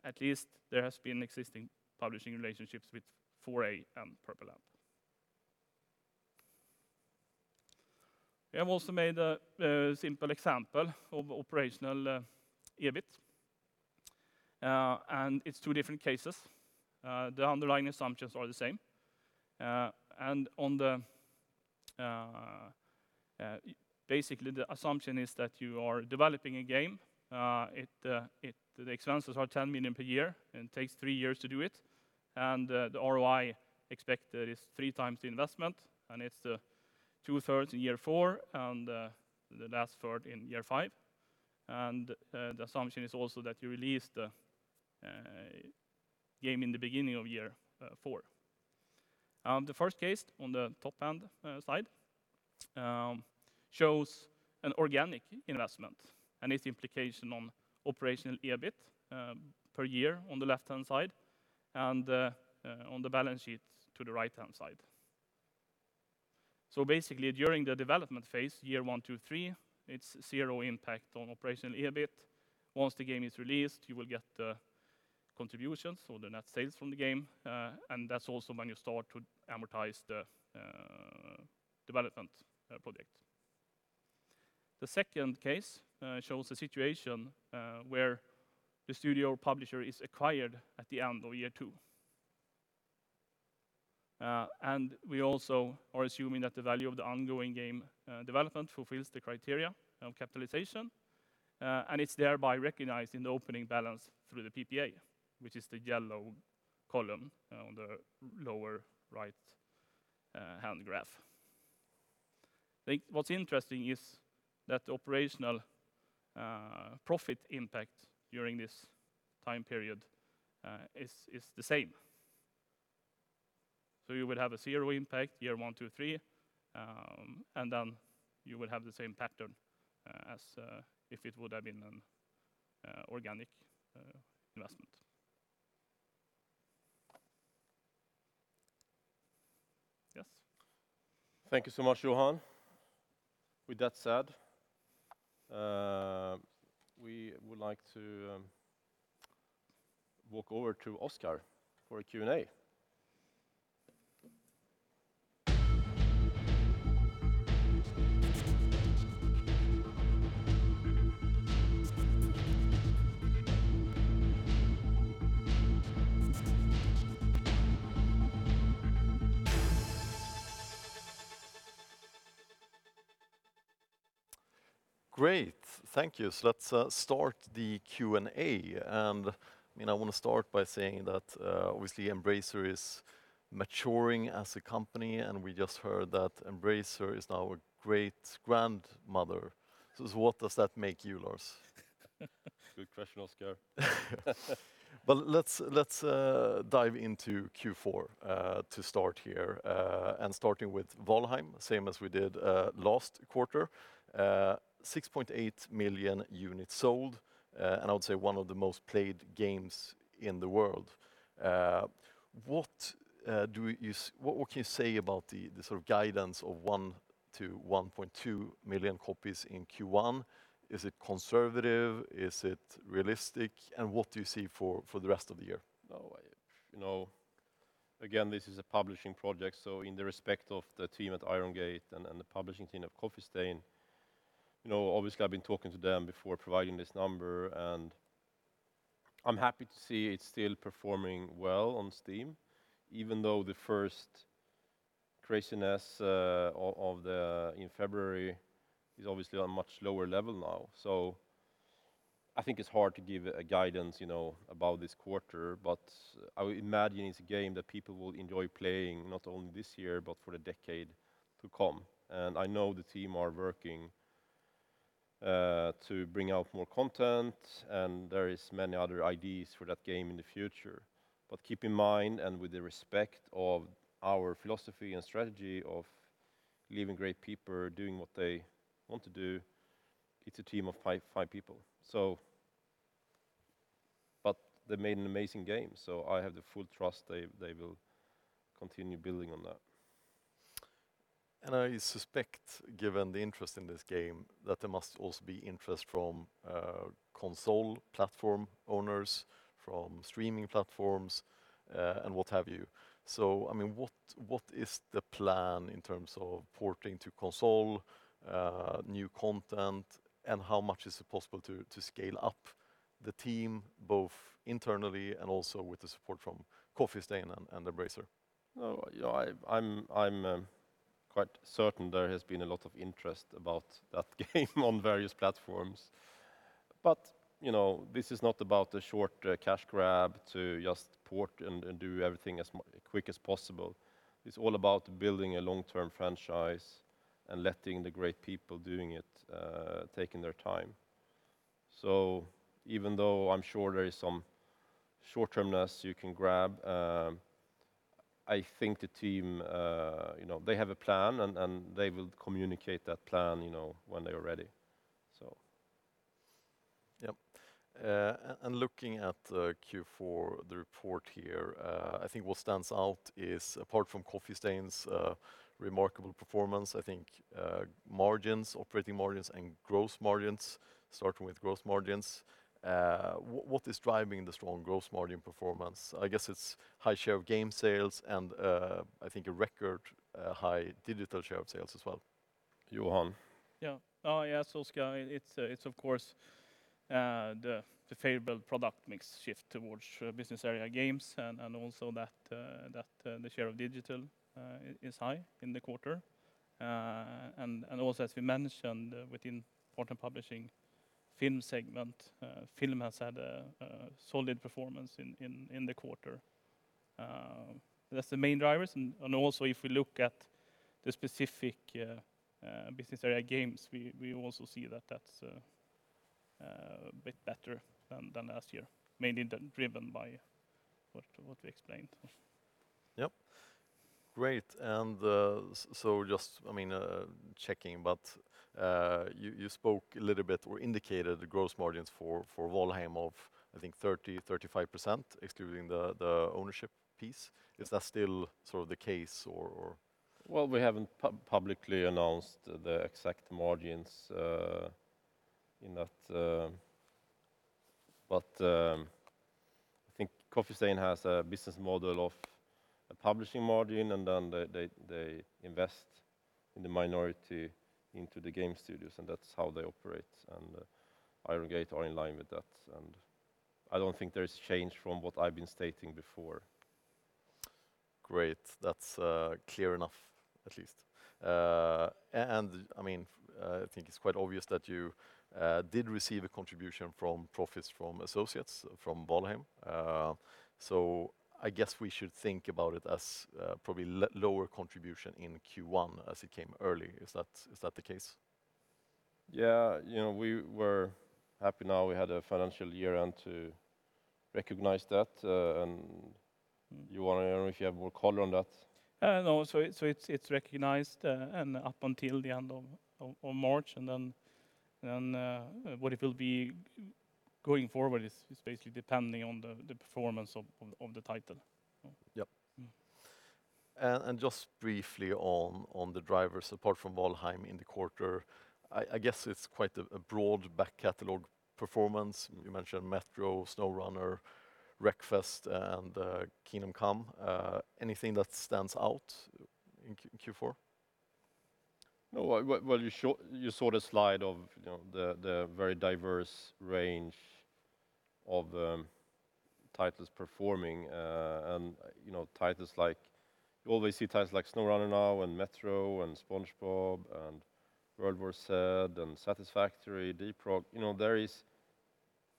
at least there has been existing publishing relationships with 4A and Purple Lamp. We have also made a simple example of operational EBIT, it's two different cases. The underlying assumptions are the same. Basically, the assumption is that you are developing a game. The expenses are 10 million per year and takes three years to do it. The ROI expected is three times the investment, it's two-thirds in year four and the last third in year five. The assumption is also that you release the game in the beginning of year four. The first case on the top-hand side shows an organic investment and its implication on operational EBIT per year on the left-hand side, and on the balance sheet to the right-hand side. Basically, during the development phase, year one, two, three, it's zero impact on operational EBIT. Once the game is released, you will get the contributions or the net sales from the game, that's also when you start to amortize the development project. The second case shows a situation where the studio publisher is acquired at the end of year two. We also are assuming that the value of the ongoing game development fulfills the criteria of capitalization, and it's thereby recognized in the opening balance through the PPA, which is the yellow column on the lower right-hand graph. What's interesting is that operational profit impact during this time period is the same. You will have a zero impact year one, two, three, and then you will have the same pattern as if it would have been an organic investment. Yes. Thank you so much, Johan. With that said, we would like to walk over to Oscar for a Q&A. Great. Thank you. Let's start the Q&A. I want to start by saying that obviously Embracer is maturing as a company, and we just heard that Embracer is now a great grandmother. What does that make you, Lars? Good question, Oscar. Let's dive into Q4 to start here, and starting with Valheim, same as we did last quarter. 6.8 million units sold, and I would say one of the most played games in the world. What can you say about the guidance of 1 million-1.2 million copies in Q1? Is it conservative? Is it realistic? What do you see for the rest of the year? No. This is a publishing project, so in the respect of the team at Iron Gate and the publishing team at Coffee Stain, obviously I've been talking to them before providing this number, and I'm happy to see it's still performing well on Steam, even though the first craziness in February is obviously on a much lower level now. I think it's hard to give a guidance about this quarter, but I would imagine it's a game that people will enjoy playing not only this year, but for the decade to come. I know the team are working to bring out more content, and there is many other ideas for that game in the future. Keep in mind, and with the respect of our philosophy and strategy of leaving great people doing what they want to do, it's a team of five people. They made an amazing game, so I have the full trust they will continue building on that. I suspect, given the interest in this game, that there must also be interest from console platform owners, from streaming platforms, and what have you. What is the plan in terms of porting to console, new content, and how much is it possible to scale up the team, both internally and also with the support from Coffee Stain and Embracer? I'm quite certain there has been a lot of interest about that game on various platforms. This is not about the short cash grab to just port and do everything as quick as possible. It's all about building a long-term franchise and letting the great people doing it, taking their time. Even though I'm sure there is some short-term-ness you can grab, I think the team have a plan, and they will communicate that plan when they're ready. Yep. Looking at the Q4, the report here, I think what stands out is apart from Coffee Stain’s remarkable performance, I think margins, operating margins and gross margins, starting with gross margins. What is driving the strong gross margin performance? I guess it’s high share of game sales and, I think a record high digital share of sales as well. Johan? Yeah. Oscar, it's of course the favorable product mix shift towards Business Area Games and also that the share of digital is high in the quarter. Also as we mentioned within Koch Film film segment, film has had a solid performance in the quarter. That's the main drivers, also if you look at the specific Business Area Games, we also see that that's a bit better than last year, mainly driven by what we explained. Yep. Great. Just checking, but you spoke a little bit or indicated the gross margins for Valheim of I think 30%-35%, excluding the ownership piece. Is that still the case or? Well, we haven't publicly announced the exact margins in that. I think Coffee Stain has a business model of a publishing margin, and then they invest in the minority into the game studios, and that's how they operate. Iron Gate are in line with that, and I don't think there's change from what I've been stating before. Great. That's clear enough, at least. I think it's quite obvious that you did receive a contribution from profits from associates from Valheim. I guess we should think about it as probably lower contribution in Q1 as it came early. Is that the case? Yeah, we were happy now we had a financial year-end to recognize that. Johan, I don't know if you have more color on that. No. It's recognized and up until the end of March, and then what it will be going forward is basically depending on the performance of the title. Yep. Just briefly on the drivers, apart from Valheim in the quarter, I guess it's quite a broad back-catalog performance. You mentioned Metro, SnowRunner, Wreckfest, and Kingdom Come. Anything that stands out in Q4? No. Well, you saw the slide of the very diverse range of the titles performing. You always see titles like SnowRunner now, Metro, SpongeBob, World War Z, Satisfactory, Deep Rock. There is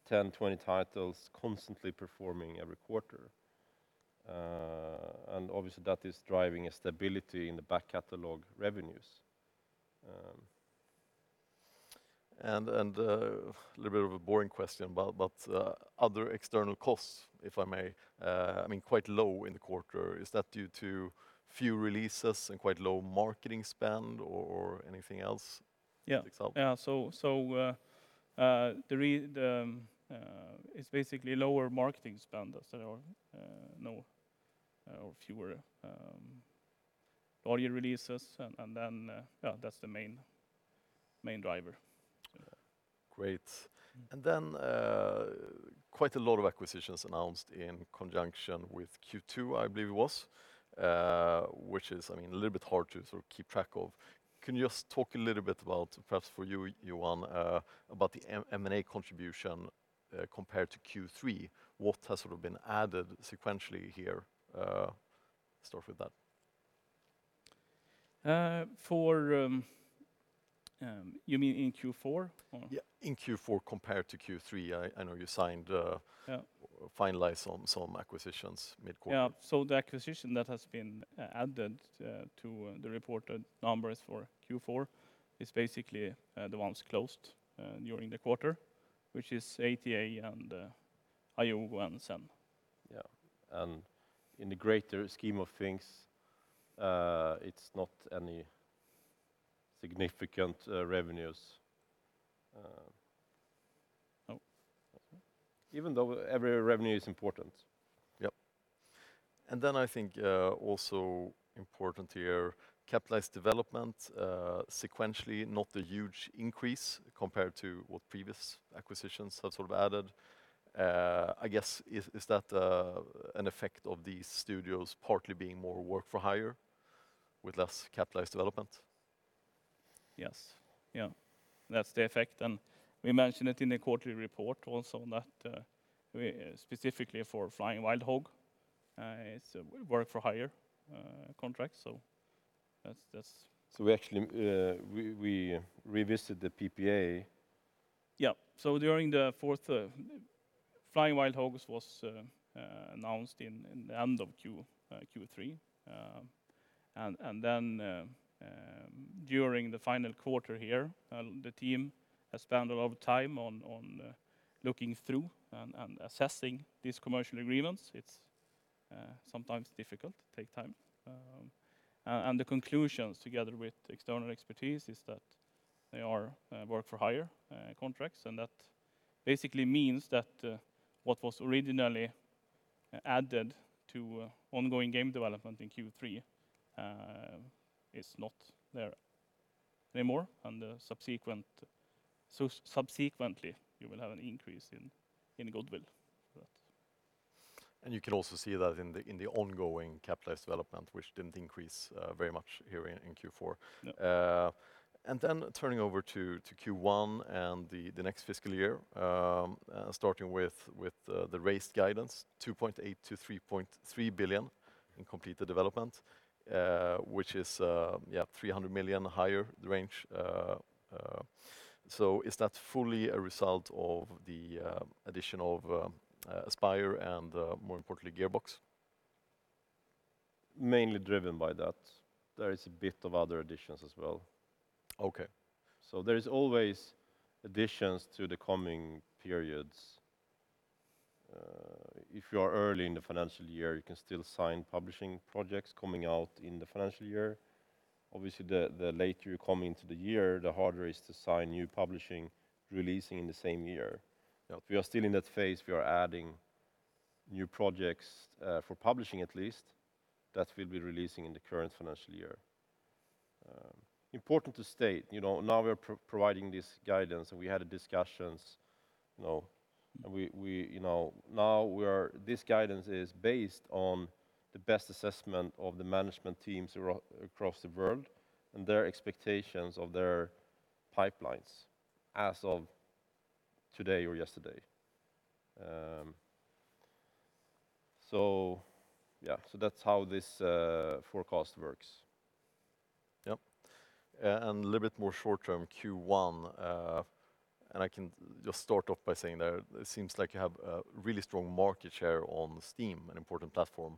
10, 20 titles constantly performing every quarter. Obviously, that is driving a stability in the back-catalog revenues. A little bit of a boring question, but other external costs, if I may. Quite low in the quarter, is that due to few releases and quite low marketing spend or anything else? Yeah. It's basically lower marketing spend as there are no or fewer audio releases, and then that's the main driver. Great. Quite a lot of acquisitions announced in conjunction with Q2, I believe it was, which is, I mean, a little bit hard to sort of keep track of. Can you just talk a little bit about, perhaps for you, Johan, about the M&A contribution compared to Q3? What has sort of been added sequentially here? Start with that. You mean in Q4? Yeah, in Q4 compared to Q3. I know you signed- Yeah ...finalized on some acquisitions mid-quarter. Yeah. The acquisition that has been added to the reported numbers for Q4 is basically the ones closed during the quarter, which is ATA and IUGO. Yeah. In the greater scheme of things, it's not any significant revenues. No. Even though every revenue is important. Yep. I think also important here, capitalized development sequentially, not a huge increase compared to what previous acquisitions have sort of added. I guess, is that an effect of these studios partly being more work for hire with less capitalized development? Yes. That's the effect, and we mentioned it in the quarterly report also that specifically for Flying Wild Hog, it's a work-for-hire contract. We actually revisited the PPA. Yeah. During the fourth, Flying Wild Hog was announced in the end of Q3. During the final quarter here, the team has spent a lot of time on looking through and assessing these commercial agreements. It's sometimes difficult, take time. The conclusions, together with external expertise, is that they are work-for-hire contracts. That basically means that what was originally added to ongoing game development in Q3 is not there anymore. Subsequently, you will have an increase in goodwill. You can also see that in the ongoing capitalized development, which didn't increase very much here in Q4. Yeah. Turning over to Q1 and the next fiscal year, starting with the raised guidance, 2.8 billion-3.3 billion in completed development, which is 300 million higher the range. Is that fully a result of the addition of Aspyr and, more importantly, Gearbox? Mainly driven by that. There is a bit of other additions as well. Okay. There's always additions to the coming periods. If you are early in the financial year, you can still sign publishing projects coming out in the financial year. The later you come into the year, the harder it is to sign new publishing releasing in the same year. We are still in that phase. We are adding new projects for publishing at least that will be releasing in the current financial year. Important to state, now we are providing this guidance, and we had discussions. Now this guidance is based on the best assessment of the management teams across the world and their expectations of their pipelines as of today or yesterday. Yeah, that's how this forecast works. Yep. A little bit more short-term, Q1. I can just start off by saying that it seems like you have a really strong market share on Steam, an important platform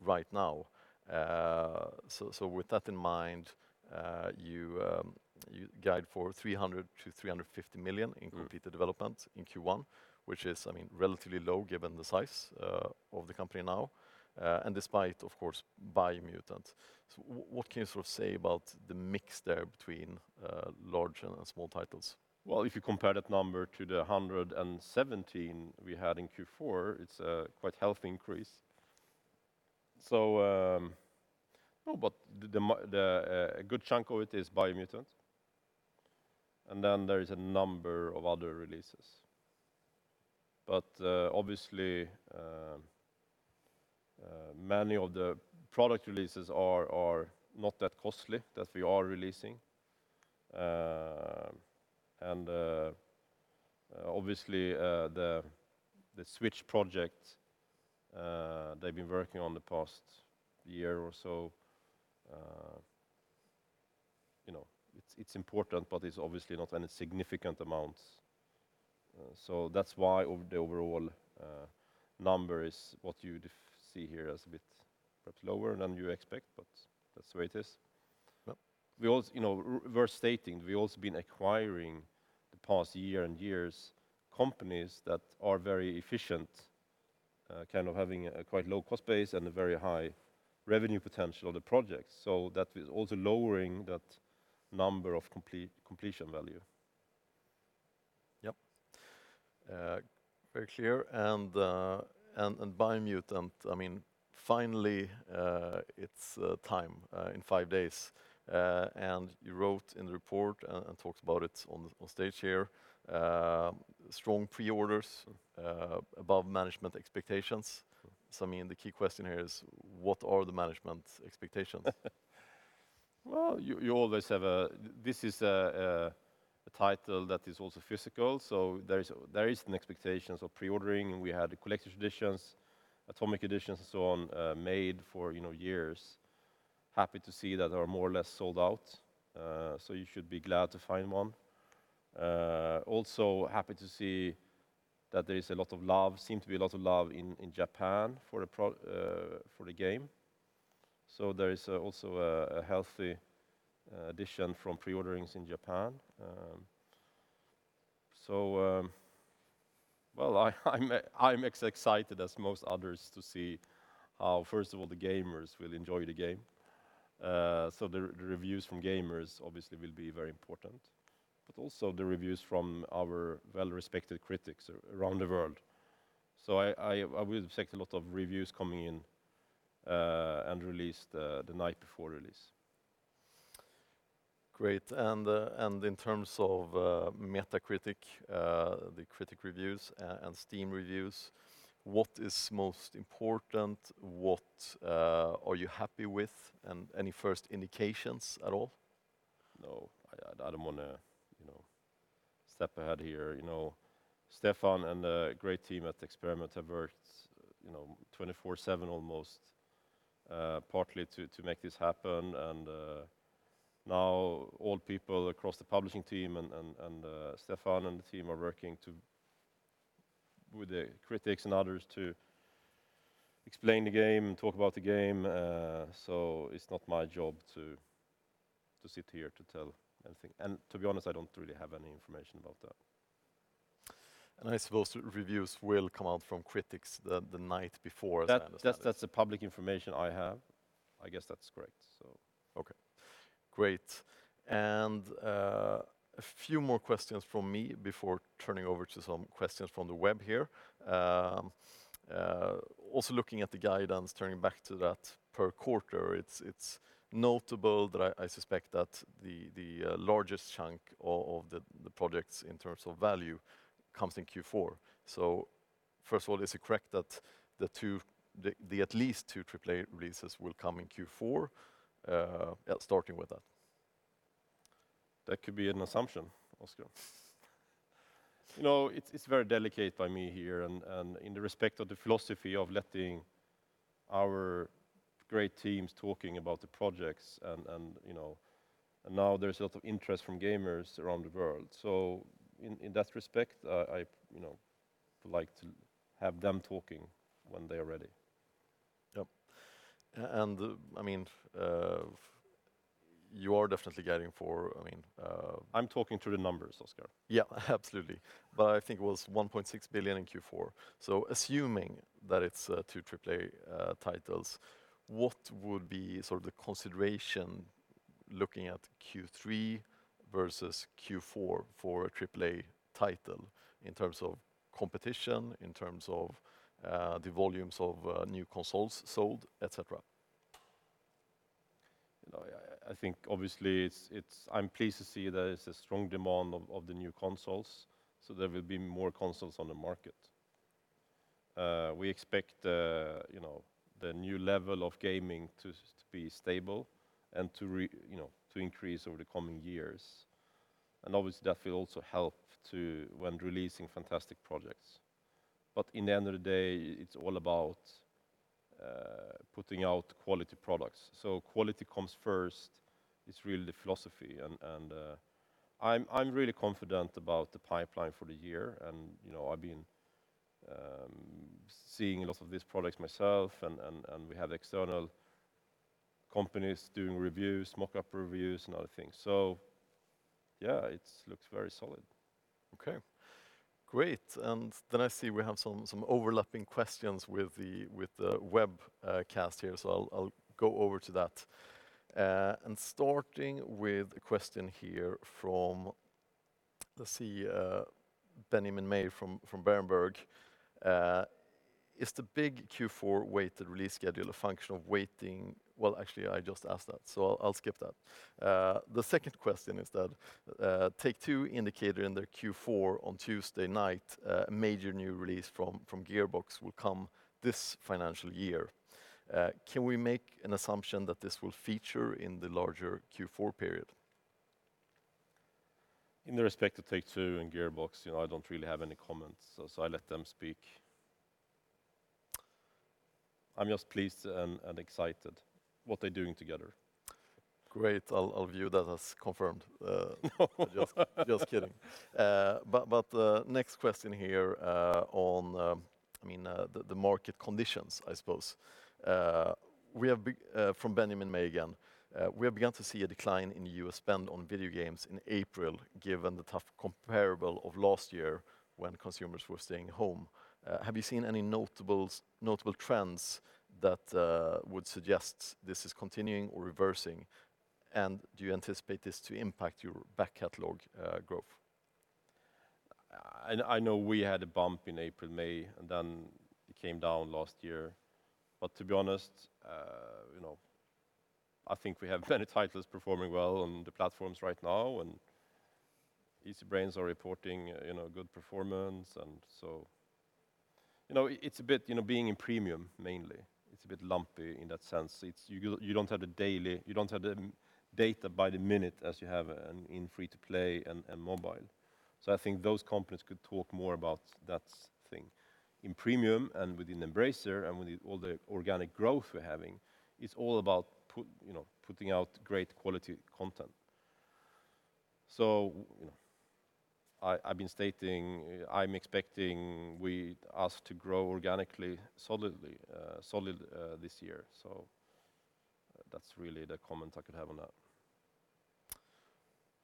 right now. With that in mind, you guide for 300 million-350 million in completed development in Q1, which is relatively low given the size of the company now, and despite, of course, Biomutant. What can you say about the mix there between large and small titles? If you compare that number to the 117 million we had in Q4, it's a quite healthy increase. A good chunk of it is Biomutant, and then there is a number of other releases. Obviously, many of the product releases are not that costly that we are releasing. Obviously, the Switch project they've been working on the past year or so, it's important, but it's obviously not any significant amount. That's why the overall number is what you see here as a bit lower than you expect, but that's the way it is. We're stating we've also been acquiring the past year and years companies that are very efficient, having a quite low cost base and a very high revenue potential of the project. That is also lowering that number of completion value. Yep. Very clear. Biomutant, finally it's time in five days. You wrote in the report and talked about it on stage here, strong pre-orders above management expectations. The key question here is what are the management expectations? Well, this is a title that is also physical. There is an expectation of pre-ordering. We had the Collector's Editions, Atomic Editions, and so on, made for years. Happy to see that are more or less sold out. You should be glad to find one. Happy to see that there seem to be a lot of love in Japan for the game. There is also a healthy addition from pre-orderings in Japan. I'm as excited as most others to see how, first of all, the gamers will enjoy the game. The reviews from gamers obviously will be very important, but also the reviews from our well-respected critics around the world. I will check a lot of reviews coming in and released the night before release. Great. In terms of Metacritic, the critic reviews, and Steam reviews, what is most important? What are you happy with? Any first indications at all? No, I don't want to step ahead here. Stefan and the great team at Experiment have worked 24/7 almost, partly to make this happen. Now all people across the publishing team and Stefan and the team are working with the critics and others to explain the game and talk about the game. It's not my job to sit here to tell anything. To be honest, I don't really have any information about that. I suppose reviews will come out from critics the night before. That's the public information I have. I guess that's correct. Okay, great. A few more questions from me before turning over to some questions from the web here. Also looking at the guidance, turning back to that per quarter, it's notable that I suspect that the largest chunk of the projects in terms of value comes in Q4. First of all, is it correct that at least two AAA releases will come in Q4? Yeah, starting with that. That could be an assumption, Oscar. It's very delicate by me here, and in respect of the philosophy of letting our great teams talking about the projects, and now there's a lot of interest from gamers around the world. In that respect, I like to have them talking when they are ready. Yep. You are definitely guiding for- I'm talking through the numbers, Oscar. Yeah, absolutely. I think it was 1.6 billion in Q4. Assuming that it's two AAA titles, what would be sort of the consideration looking at Q3 versus Q4 for a AAA title in terms of competition, in terms of the volumes of new consoles sold, et cetera? I think obviously I'm pleased to see there is a strong demand of the new consoles, so there will be more consoles on the market. We expect the new level of gaming to be stable and to increase over the coming years. Obviously, that will also help when releasing fantastic projects. In the end of the day, it's all about putting out quality products. Quality comes first. It's really the philosophy. I'm really confident about the pipeline for the year. I've been seeing a lot of these products myself, and we had external companies doing reviews, mock-up reviews, and other things. Yeah, it looks very solid. Okay, great. I see we have some overlapping questions with the webcast here, so I'll go over to that. Starting with a question here from, let's see, Ben May from Berenberg. Is the big Q4 weighted release schedule a function of waiting? Well, actually, I just asked that, so I'll skip that. The second question is that Take-Two indicated in their Q4 on Tuesday night a major new release from Gearbox will come this financial year. Can we make an assumption that this will feature in the larger Q4 period? In respect to Take-Two and Gearbox, I don't really have any comments. I let them speak. I'm just pleased and excited what they're doing together. Great. I'll view that as confirmed. Just kidding. The next question here on the market conditions, I suppose. From Benjamin May again: We have begun to see a decline in U.S. spend on video games in April, given the tough comparable of last year when consumers were staying home. Have you seen any notable trends that would suggest this is continuing or reversing, and do you anticipate this to impact your back catalog growth? I know we had a bump in April, May, and then it came down last year. To be honest, I think we have many titles performing well on the platforms right now, and Easybrain are reporting good performance. It's a bit being in Premium mainly. It's a bit lumpy in that sense. You don't have the data by the minute as you have in free-to-play and mobile. I think those companies could talk more about that thing. In Premium and within Embracer and with all the organic growth we're having, it's all about putting out great quality content. I've been stating I'm expecting us to grow organically solidly this year. That's really the comment I can have on that.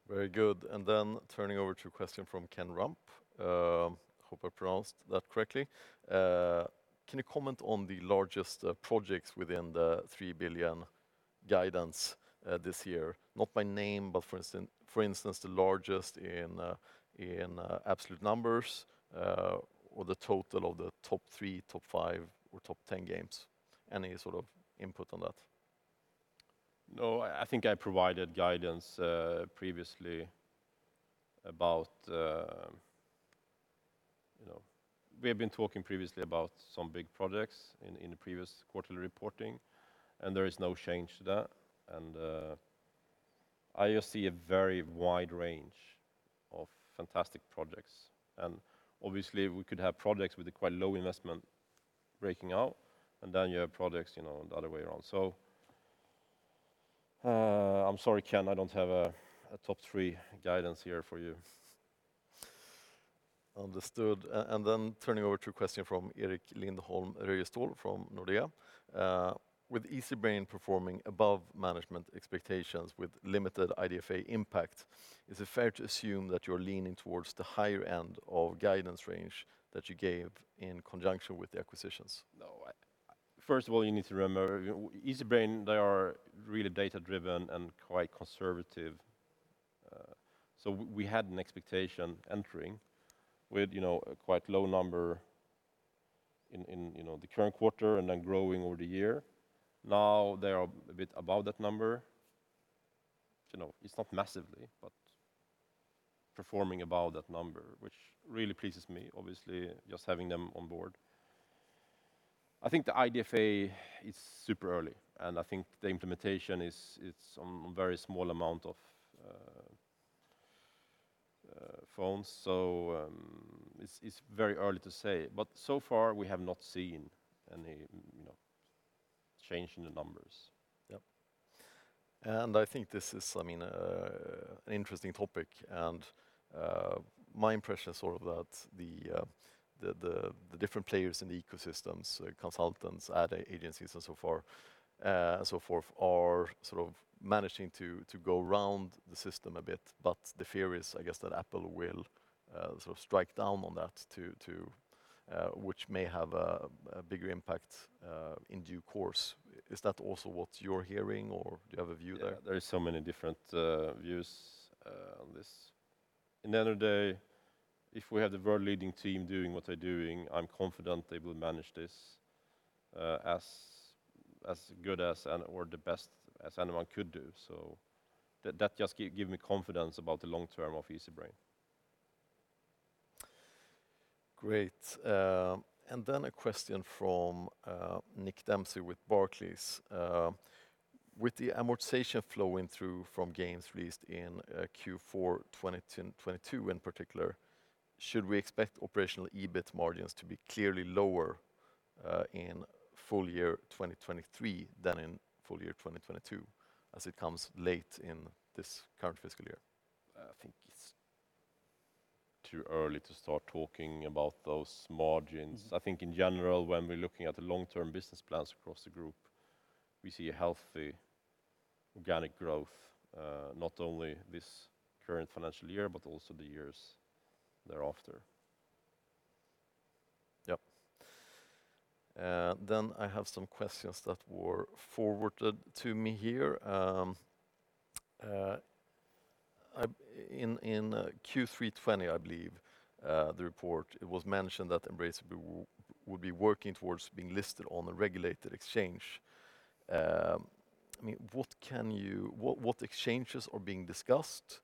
Very good. Turning over to a question from Ken Rumph. Hope I pronounced that correctly. Can you comment on the largest projects within the 3 billion guidance this year? Not by name, for instance, the largest in absolute numbers, or the total of the top three, top five, or top 10 games. Any sort of input on that? No, I think I provided guidance previously. We've been talking previously about some big projects in the previous quarterly reporting, there is no change to that. I just see a very wide range of fantastic projects. Obviously we could have projects with quite low investment breaking out, then you have projects the other way around. I'm sorry, Ken Rumph, I don't have a top three guidance here for you. Understood. Turning over to a question from Erik Lindholm-Röjestål from Nordea. With Easybrain performing above management expectations with limited IDFA impact, is it fair to assume that you're leaning towards the higher end of guidance range that you gave in conjunction with the acquisitions? First of all, you need to remember, Easybrain, they are really data-driven and quite conservative. We had an expectation entering with a quite low number in the current quarter and then growing over the year. Now they are a bit above that number. It's not massively, but performing above that number, which really pleases me, obviously, just having them on board. I think the IDFA is super early, and I think the implementation is on a very small amount of phones. It's very early to say, but so far we have not seen any change in the numbers. Yep. I think this is an interesting topic, my impression is that the different players in the ecosystems, consultants, ad agencies, and so forth, are sort of managing to go around the system a bit. The fear is, I guess, that Apple will strike down on that too, which may have a bigger impact in due course. Is that also what you're hearing, or do you have a view there? There is so many different views on this. At the end of the day, if we had a very leading team doing what they're doing, I'm confident they will manage this as good as, or the best as anyone could do. That just gives me confidence about the long term of Easybrain. Great. A question from Nick Dempsey with Barclays, with the amortization flowing through from games released in Q4 2022 in particular, should we expect operational EBIT margins to be clearly lower in full year 2023 than in full year 2022 as it comes late in this current fiscal year? I think it's too early to start talking about those margins. I think in general, when we're looking at the long-term business plans across the group, we see healthy organic growth, not only this current financial year, but also the years thereafter. Yep. I have some questions that were forwarded to me here. In Q3 2020, I believe, the report, it was mentioned that Embracer Group would be working towards being listed on a regulated exchange. What exchanges are being discussed?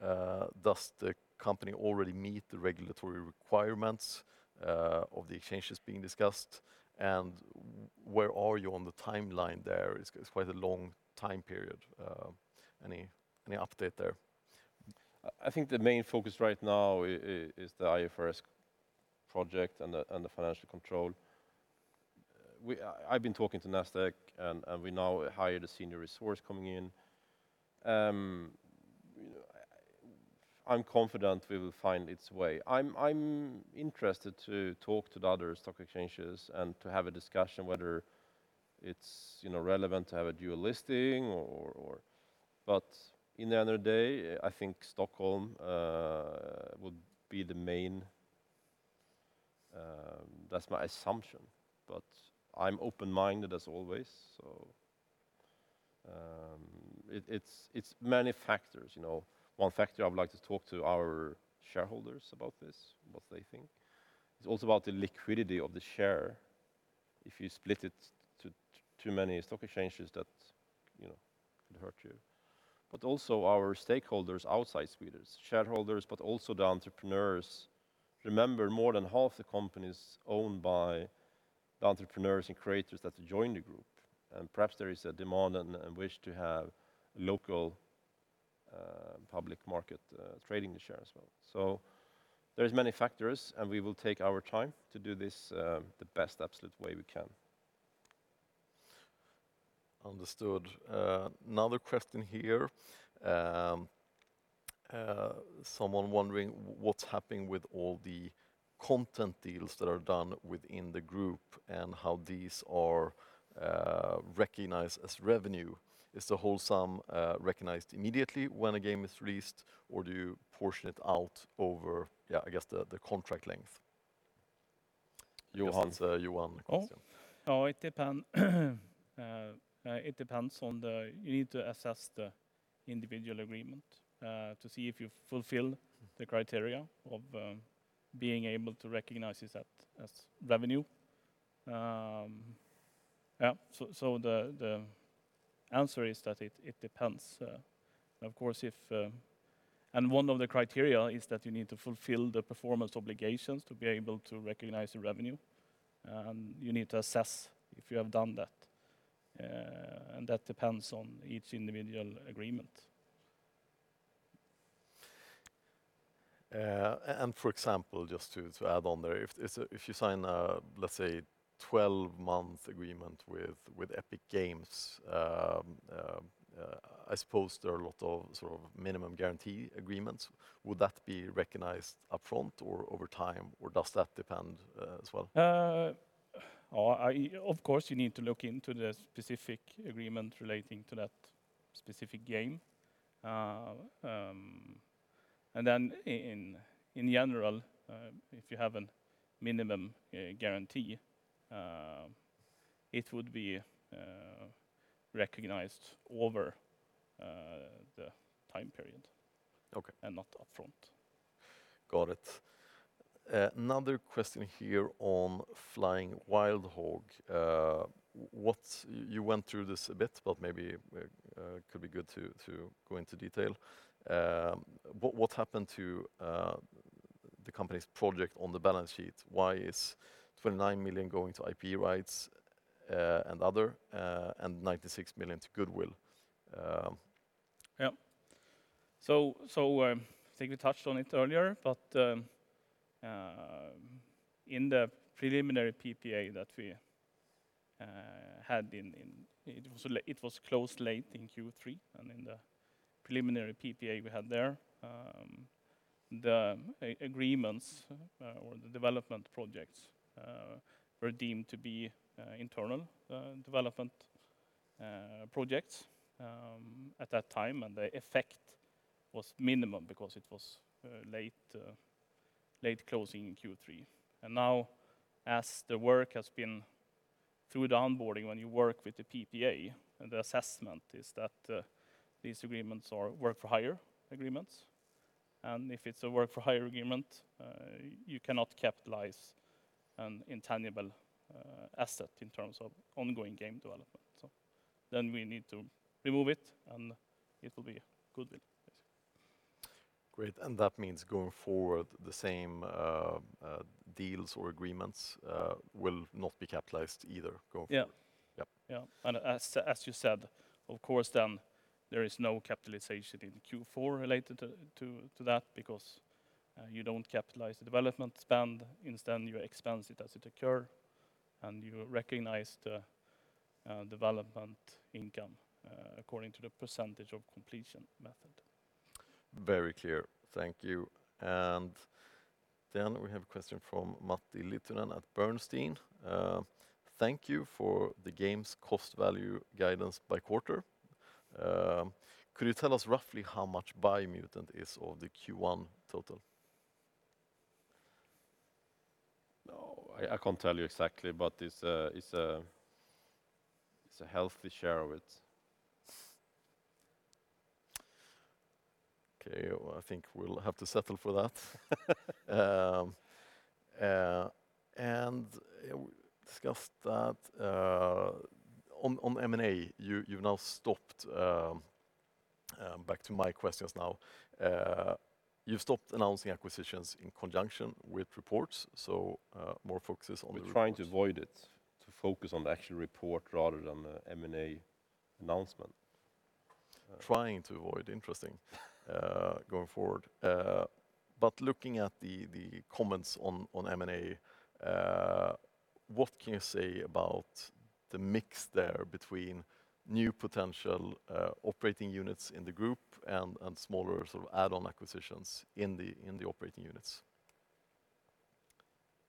Does the company already meet the regulatory requirements of the exchanges being discussed, and where are you on the timeline there? It's quite a long time period. Any update there? I think the main focus right now is the IFRS project and the financial control. I've been talking to Nasdaq, and we now hired a senior resource coming in. I'm confident we will find its way. I'm interested to talk to the other stock exchanges and to have a discussion whether it's relevant to have a dual listing. In the end of the day, I think Stockholm would be the main. That's my assumption, but I'm open-minded as always. It's many factors. One factor, I would like to talk to our shareholders about this, what they think. It's also about the liquidity of the share. If you split it to too many stock exchanges, that could hurt you. Also our stakeholders outside Sweden, shareholders, but also the entrepreneurs. Remember, more than half the company's owned by the entrepreneurs and creators that have joined the group, and perhaps there is a demand and wish to have local public market trading shares as well. There's many factors, and we will take our time to do this the best absolute way we can. Understood. Another question here. Someone wondering what's happening with all the content deals that are done within the group and how these are recognized as revenue. Is the whole sum recognized immediately when a game is released, or do you portion it out over, I guess, the contract length? Johan. You need to assess the individual agreement to see if you fulfill the criteria of being able to recognize this as revenue. Yeah, the answer is that it depends. One of the criteria is that you need to fulfill the performance obligations to be able to recognize your revenue. You need to assess if you have done that, and that depends on each individual agreement. For example, just to add on there, if you sign a, let's say, 12-month agreement with Epic Games, I suppose there are a lot of minimum guarantee agreements. Would that be recognized upfront or over time, or does that depend as well? Of course, you need to look into the specific agreement relating to that specific game. In general, if you have a minimum guarantee, it would be recognized over the time period. Okay. Not upfront. Got it. Another question here on Flying Wild Hog. You went through this a bit, but maybe could be good to go into detail. What happened to the company's project on the balance sheet? Why is 29 million going to IP rights and other, and 96 million to goodwill? Yeah. I think you touched on it earlier, but in the preliminary PPA that we had. It was closed late in Q3. In the preliminary PPA we had there, the agreements or the development projects were deemed to be internal development projects at that time, and the effect was minimum because it was late closing in Q3. Now as the work has been through the onboarding, when you work with the PPA, the assessment is that these agreements are work-for-hire agreements. If it's a work-for-hire agreement, you cannot capitalize an intangible asset in terms of ongoing game development. Then we need to remove it, and it'll be goodwill. Great. That means going forward, the same deals or agreements will not be capitalized either going forward? Yeah. Yeah. As you said, of course, then there is no capitalization in Q4 related to that because you don't capitalize the development spend. Instead, you expense it as it occurs, and you recognize the development income according to the percentage of completion method. Very clear. Thank you. We have a question from Matti Littunen at Bernstein. Thank you for the games cost value guidance by quarter. Could you tell us roughly how much Biomutant is of the Q1 total? No, I can't tell you exactly, but it's a healthy share of it. Okay, I think we'll have to settle for that. We discussed that. On M&A, back to my questions now, you've stopped announcing acquisitions in conjunction with reports, so more focus on the report. We're trying to avoid it, to focus on the actual report rather than the M&A announcement. Interesting. Going forward. Looking at the comments on M&A, what can you say about the mix there between new potential operating units in the group and smaller sort of add-on acquisitions in the operating units?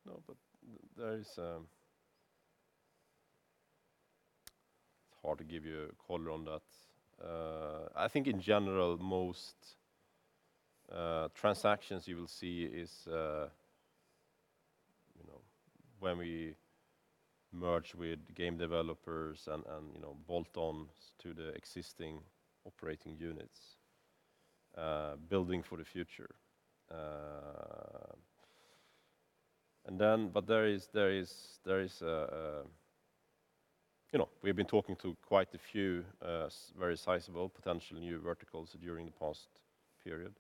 No, it's hard to give you a call on that. I think in general, most transactions you will see is when we merge with game developers and bolt-ons to the existing operating units, building for the future. We've been talking to quite a few very sizable potential new verticals during the past period.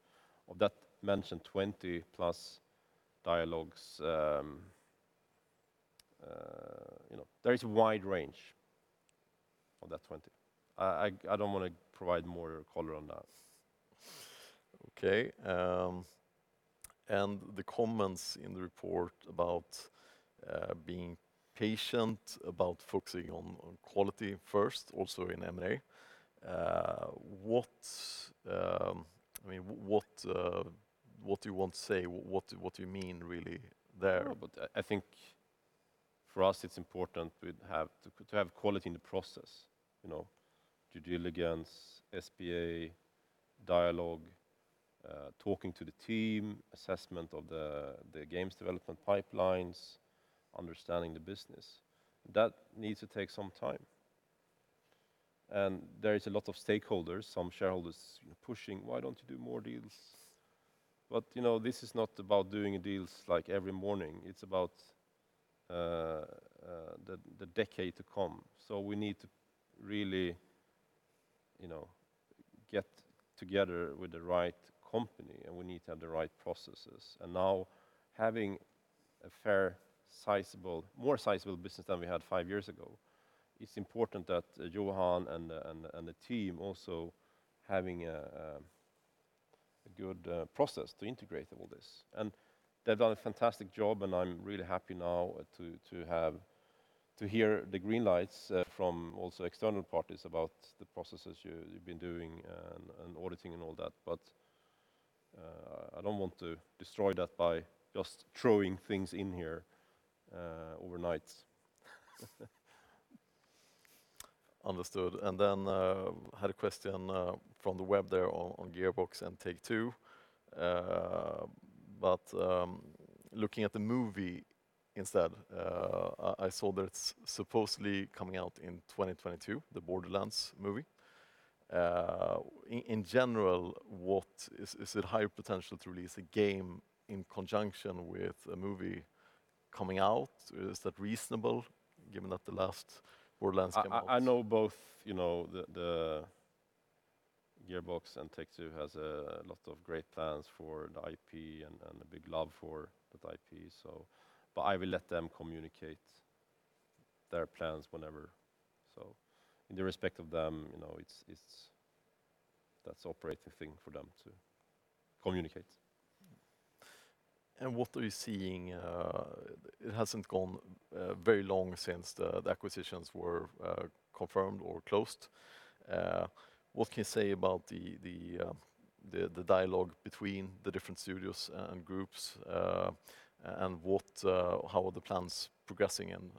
Of that mentioned 20+ dialogues, there is a wide range on that 20. I don't want to provide more color on that. Okay. The comments in the report about being patient, about focusing on quality first, also in M&A. What do you want to say? What do you mean really there about that? I think for us, it's important to have quality in the process. Due diligence, SPA, dialogue, talking to the team, assessment of the games development pipelines, understanding the business. That needs to take some time. There is a lot of stakeholders, some shareholders pushing, "Why don't you do more deals?" This is not about doing deals every morning. It's about the decade to come. We need to really get together with the right company, and we need to have the right processes. Now having a more sizable business than we had five years ago, it's important that Johan and the team also having a good process to integrate all this. They've done a fantastic job, and I'm really happy now to hear the green lights from also external parties about the processes you've been doing and auditing and all that. I don't want to destroy that by just throwing things in here overnight. Understood. Then had a question from the web there on Gearbox and Take-Two. Looking at the movie instead, I saw that it's supposedly coming out in 2022, the Borderlands movie. In general, is it high potential to release a game in conjunction with a movie coming out? Is that reasonable given that the last Borderlands game was- I know both the Gearbox and Take-Two has a lot of great fans for the IP and a big love for the IP. I will let them communicate their plans whenever. In the respect of them, that's the operating thing for them to communicate. It hasn't gone very long since the acquisitions were confirmed or closed. What can you say about the dialogue between the different studios and groups, and how are the plans progressing and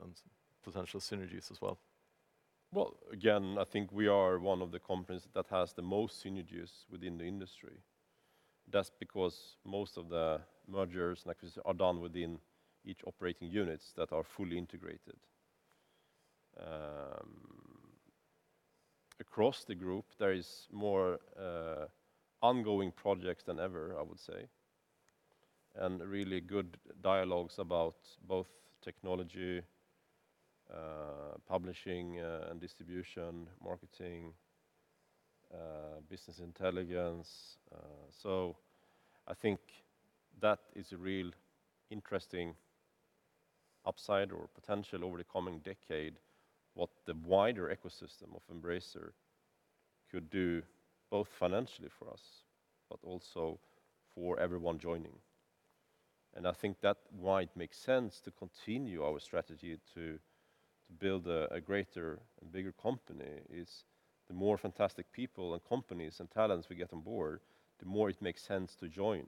potential synergies as well? Well, again, I think we are one of the companies that has the most synergies within the industry. That's because most of the mergers and acquisitions are done within each operating units that are fully integrated. Across the group, there are more ongoing projects than ever, I would say. Really good dialogues about both technology, publishing and distribution, marketing, business intelligence. I think that is a real interesting upside or potential over the coming decade, what the wider ecosystem of Embracer could do, both financially for us, but also for everyone joining. I think that why it makes sense to continue our strategy to build a greater and bigger company is the more fantastic people and companies and talents we get on board, the more it makes sense to join.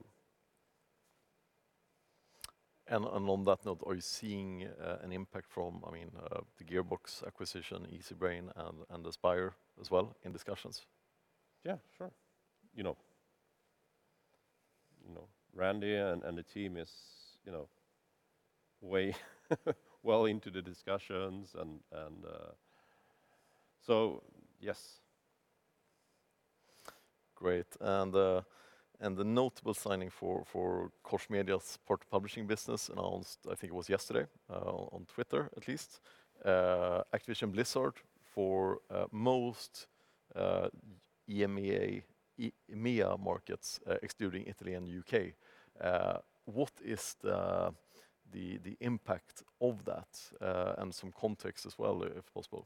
On that note, are you seeing an impact from the Gearbox acquisition, Easybrain, and Aspyr as well in discussions? Yeah, sure. Randy and the team is way well into the discussions. Yes. Great. The notable signing for Koch Media's partner publishing business announced, I think it was yesterday, on Twitter at least, Activision Blizzard for most EMEA markets, excluding Italy and U.K. What is the impact of that, and some context as well, if possible?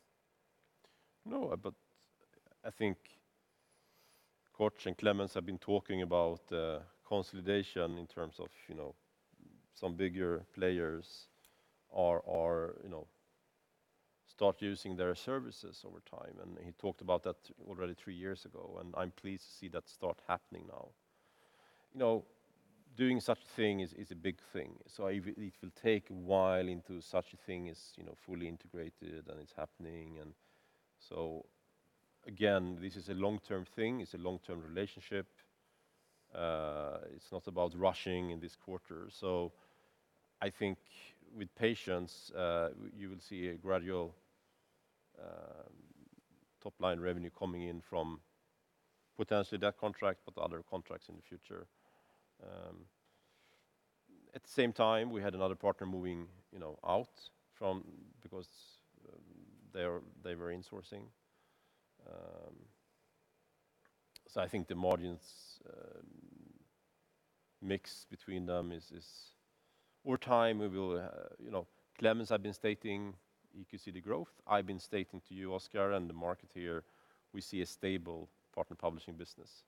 I think Koch and Klemens have been talking about consolidation in terms of some bigger players start using their services over time, and he talked about that already three years ago, and I'm pleased to see that start happening now. Doing such a thing is a big thing. It will take a while until such a thing is fully integrated and it's happening. Again, this is a long-term thing. It's a long-term relationship. It's not about rushing in this quarter. I think with patience, you will see a gradual top-line revenue coming in from potentially that contract, but other contracts in the future. At the same time, we had another partner moving out because they were insourcing. I think the margins mix between them. Over time, Klemens have been stating you could see the growth. I've been stating to you, Oscar, and the market here, we see a stable partner publishing business.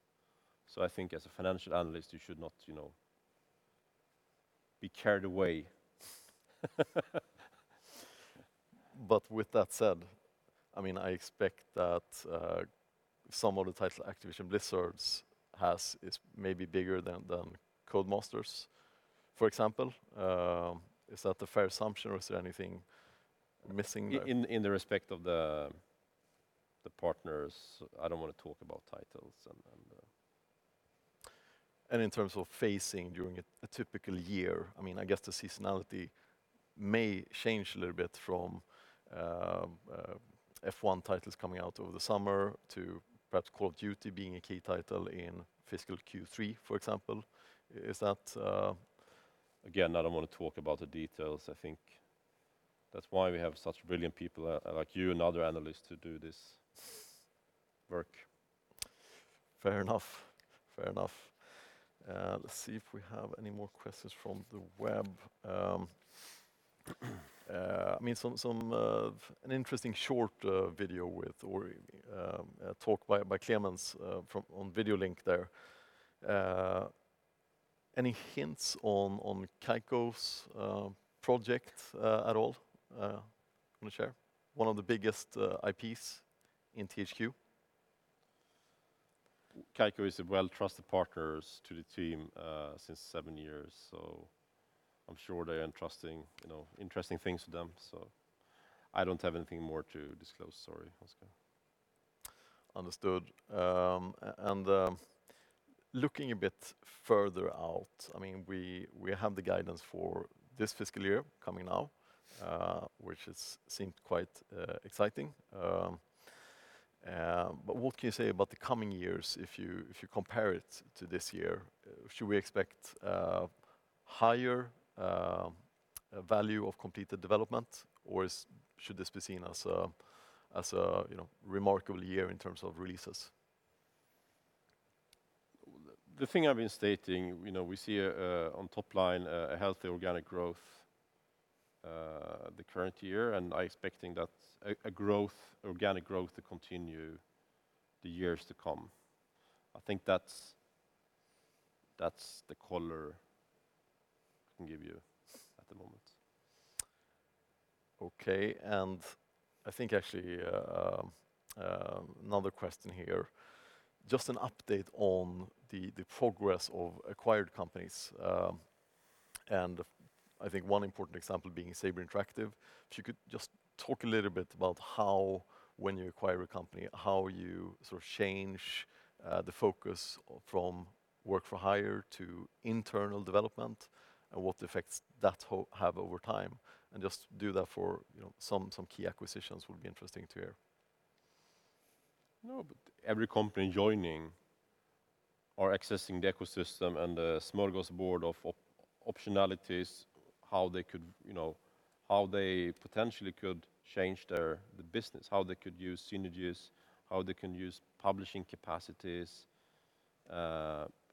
I think as a financial analyst, you should not be carried away. With that said, I expect that some of the titles Activision Blizzard has is maybe bigger than Codemasters, for example. Is that a fair assumption, or is there anything missing there? In the respect of the partners, I don't want to talk about titles. In terms of phasing during a typical year, I guess the seasonality may change a little bit from F1 titles coming out over the summer to perhaps Call of Duty being a key title in fiscal Q3, for example. Again, I don't want to talk about the details. I think that's why we have such brilliant people like you and other analysts to do this work. Fair enough. Let's see if we have any more questions from the web. An interesting short video with, or talk by Klemens on video link there. Any hints on Kaiko's project at all you want to share? One of the biggest IPs in THQ? Kaiko is a well-trusted partner to the team since seven years. I'm sure they're interesting things to them. I don't have anything more to disclose. Sorry, Oscar. Understood. Looking a bit further out, we have the guidance for this fiscal year coming now, which seems quite exciting. What can you say about the coming years if you compare it to this year? Should we expect higher value of completed development, or should this be seen as a remarkable year in terms of releases? The thing I've been stating, we see on top line a healthy organic growth the current year, and I'm expecting that organic growth to continue the years to come. I think that's the color I can give you at the moment. Okay, and I think actually another question here. Just an update on the progress of acquired companies. I think one important example being Saber Interactive. If you could just talk a little bit about how when you acquire a company, how you sort of change the focus from work for hire to internal development and what effects that have over time, and just do that for some key acquisitions would be interesting to hear. No, every company joining are accessing the ecosystem and the smorgasbord of optionalities, how they potentially could change their business, how they could use synergies, how they can use publishing capacities.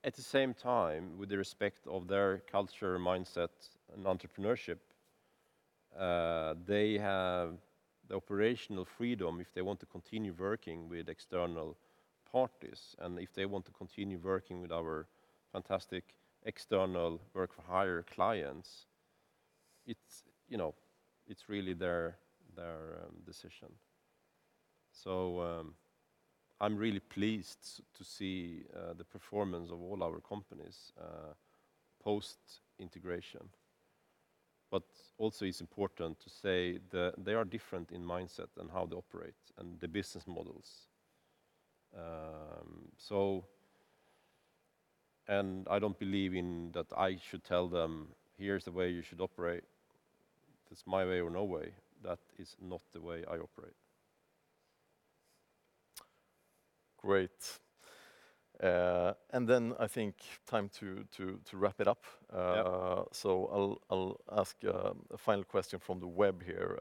At the same time, with respect of their culture, mindset, and entrepreneurship, they have the operational freedom if they want to continue working with external parties, and if they want to continue working with our fantastic external work-for-hire clients, it's really their decision. I'm really pleased to see the performance of all our companies post-integration. Also, it's important to say that they are different in mindset and how they operate and the business models. I don't believe in that I should tell them, "Here's the way you should operate. It's my way or no way." That is not the way I operate. Great. I think time to wrap it up. Yeah. I'll ask a final question from the web here,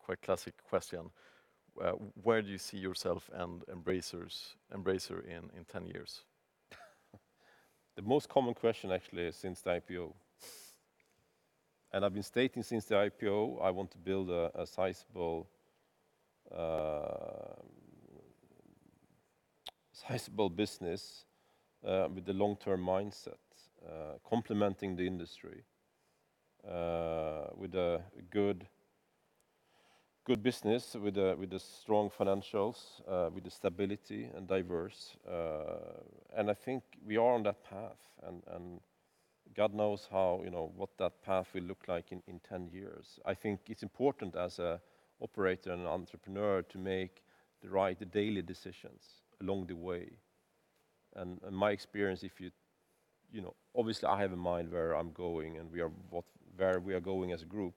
quite classic question. Where do you see yourself and Embracer in 10 years? The most common question, actually, since the IPO. I've been stating since the IPO, I want to build a sizable business with a long-term mindset, complementing the industry, with a good business, with strong financials, with stability, and diverse. I think we are on that path, and God knows what that path will look like in 10 years. I think it's important as an operator and an entrepreneur to make the right daily decisions along the way. In my experience, obviously, I have in mind where I'm going and where we are going as a group.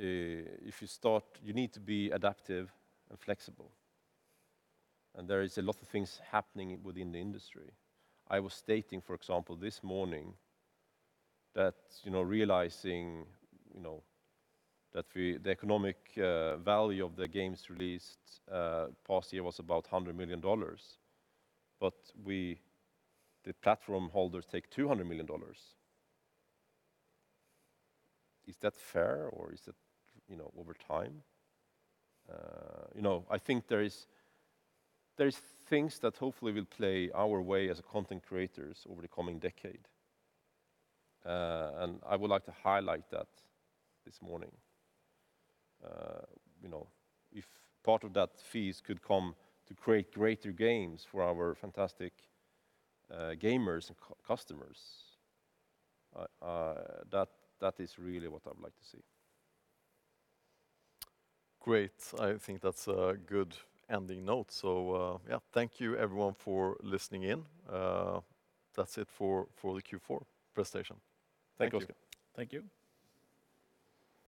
You need to be adaptive and flexible, and there is a lot of things happening within the industry. I was stating, for example, this morning that realizing that the economic value of the games released past year was about SEK 100 million, but the platform holders take SEK 200 million. Is that fair, or is it over time? I think there's things that hopefully will play our way as content creators over the coming decade. I would like to highlight that this morning. If part of that fees could come to create greater games for our fantastic gamers and customers, that is really what I would like to see. Great. I think that's a good ending note. Yeah, thank you, everyone, for listening in. That's it for the Q4 presentation. Thank you. Okay. Thank you.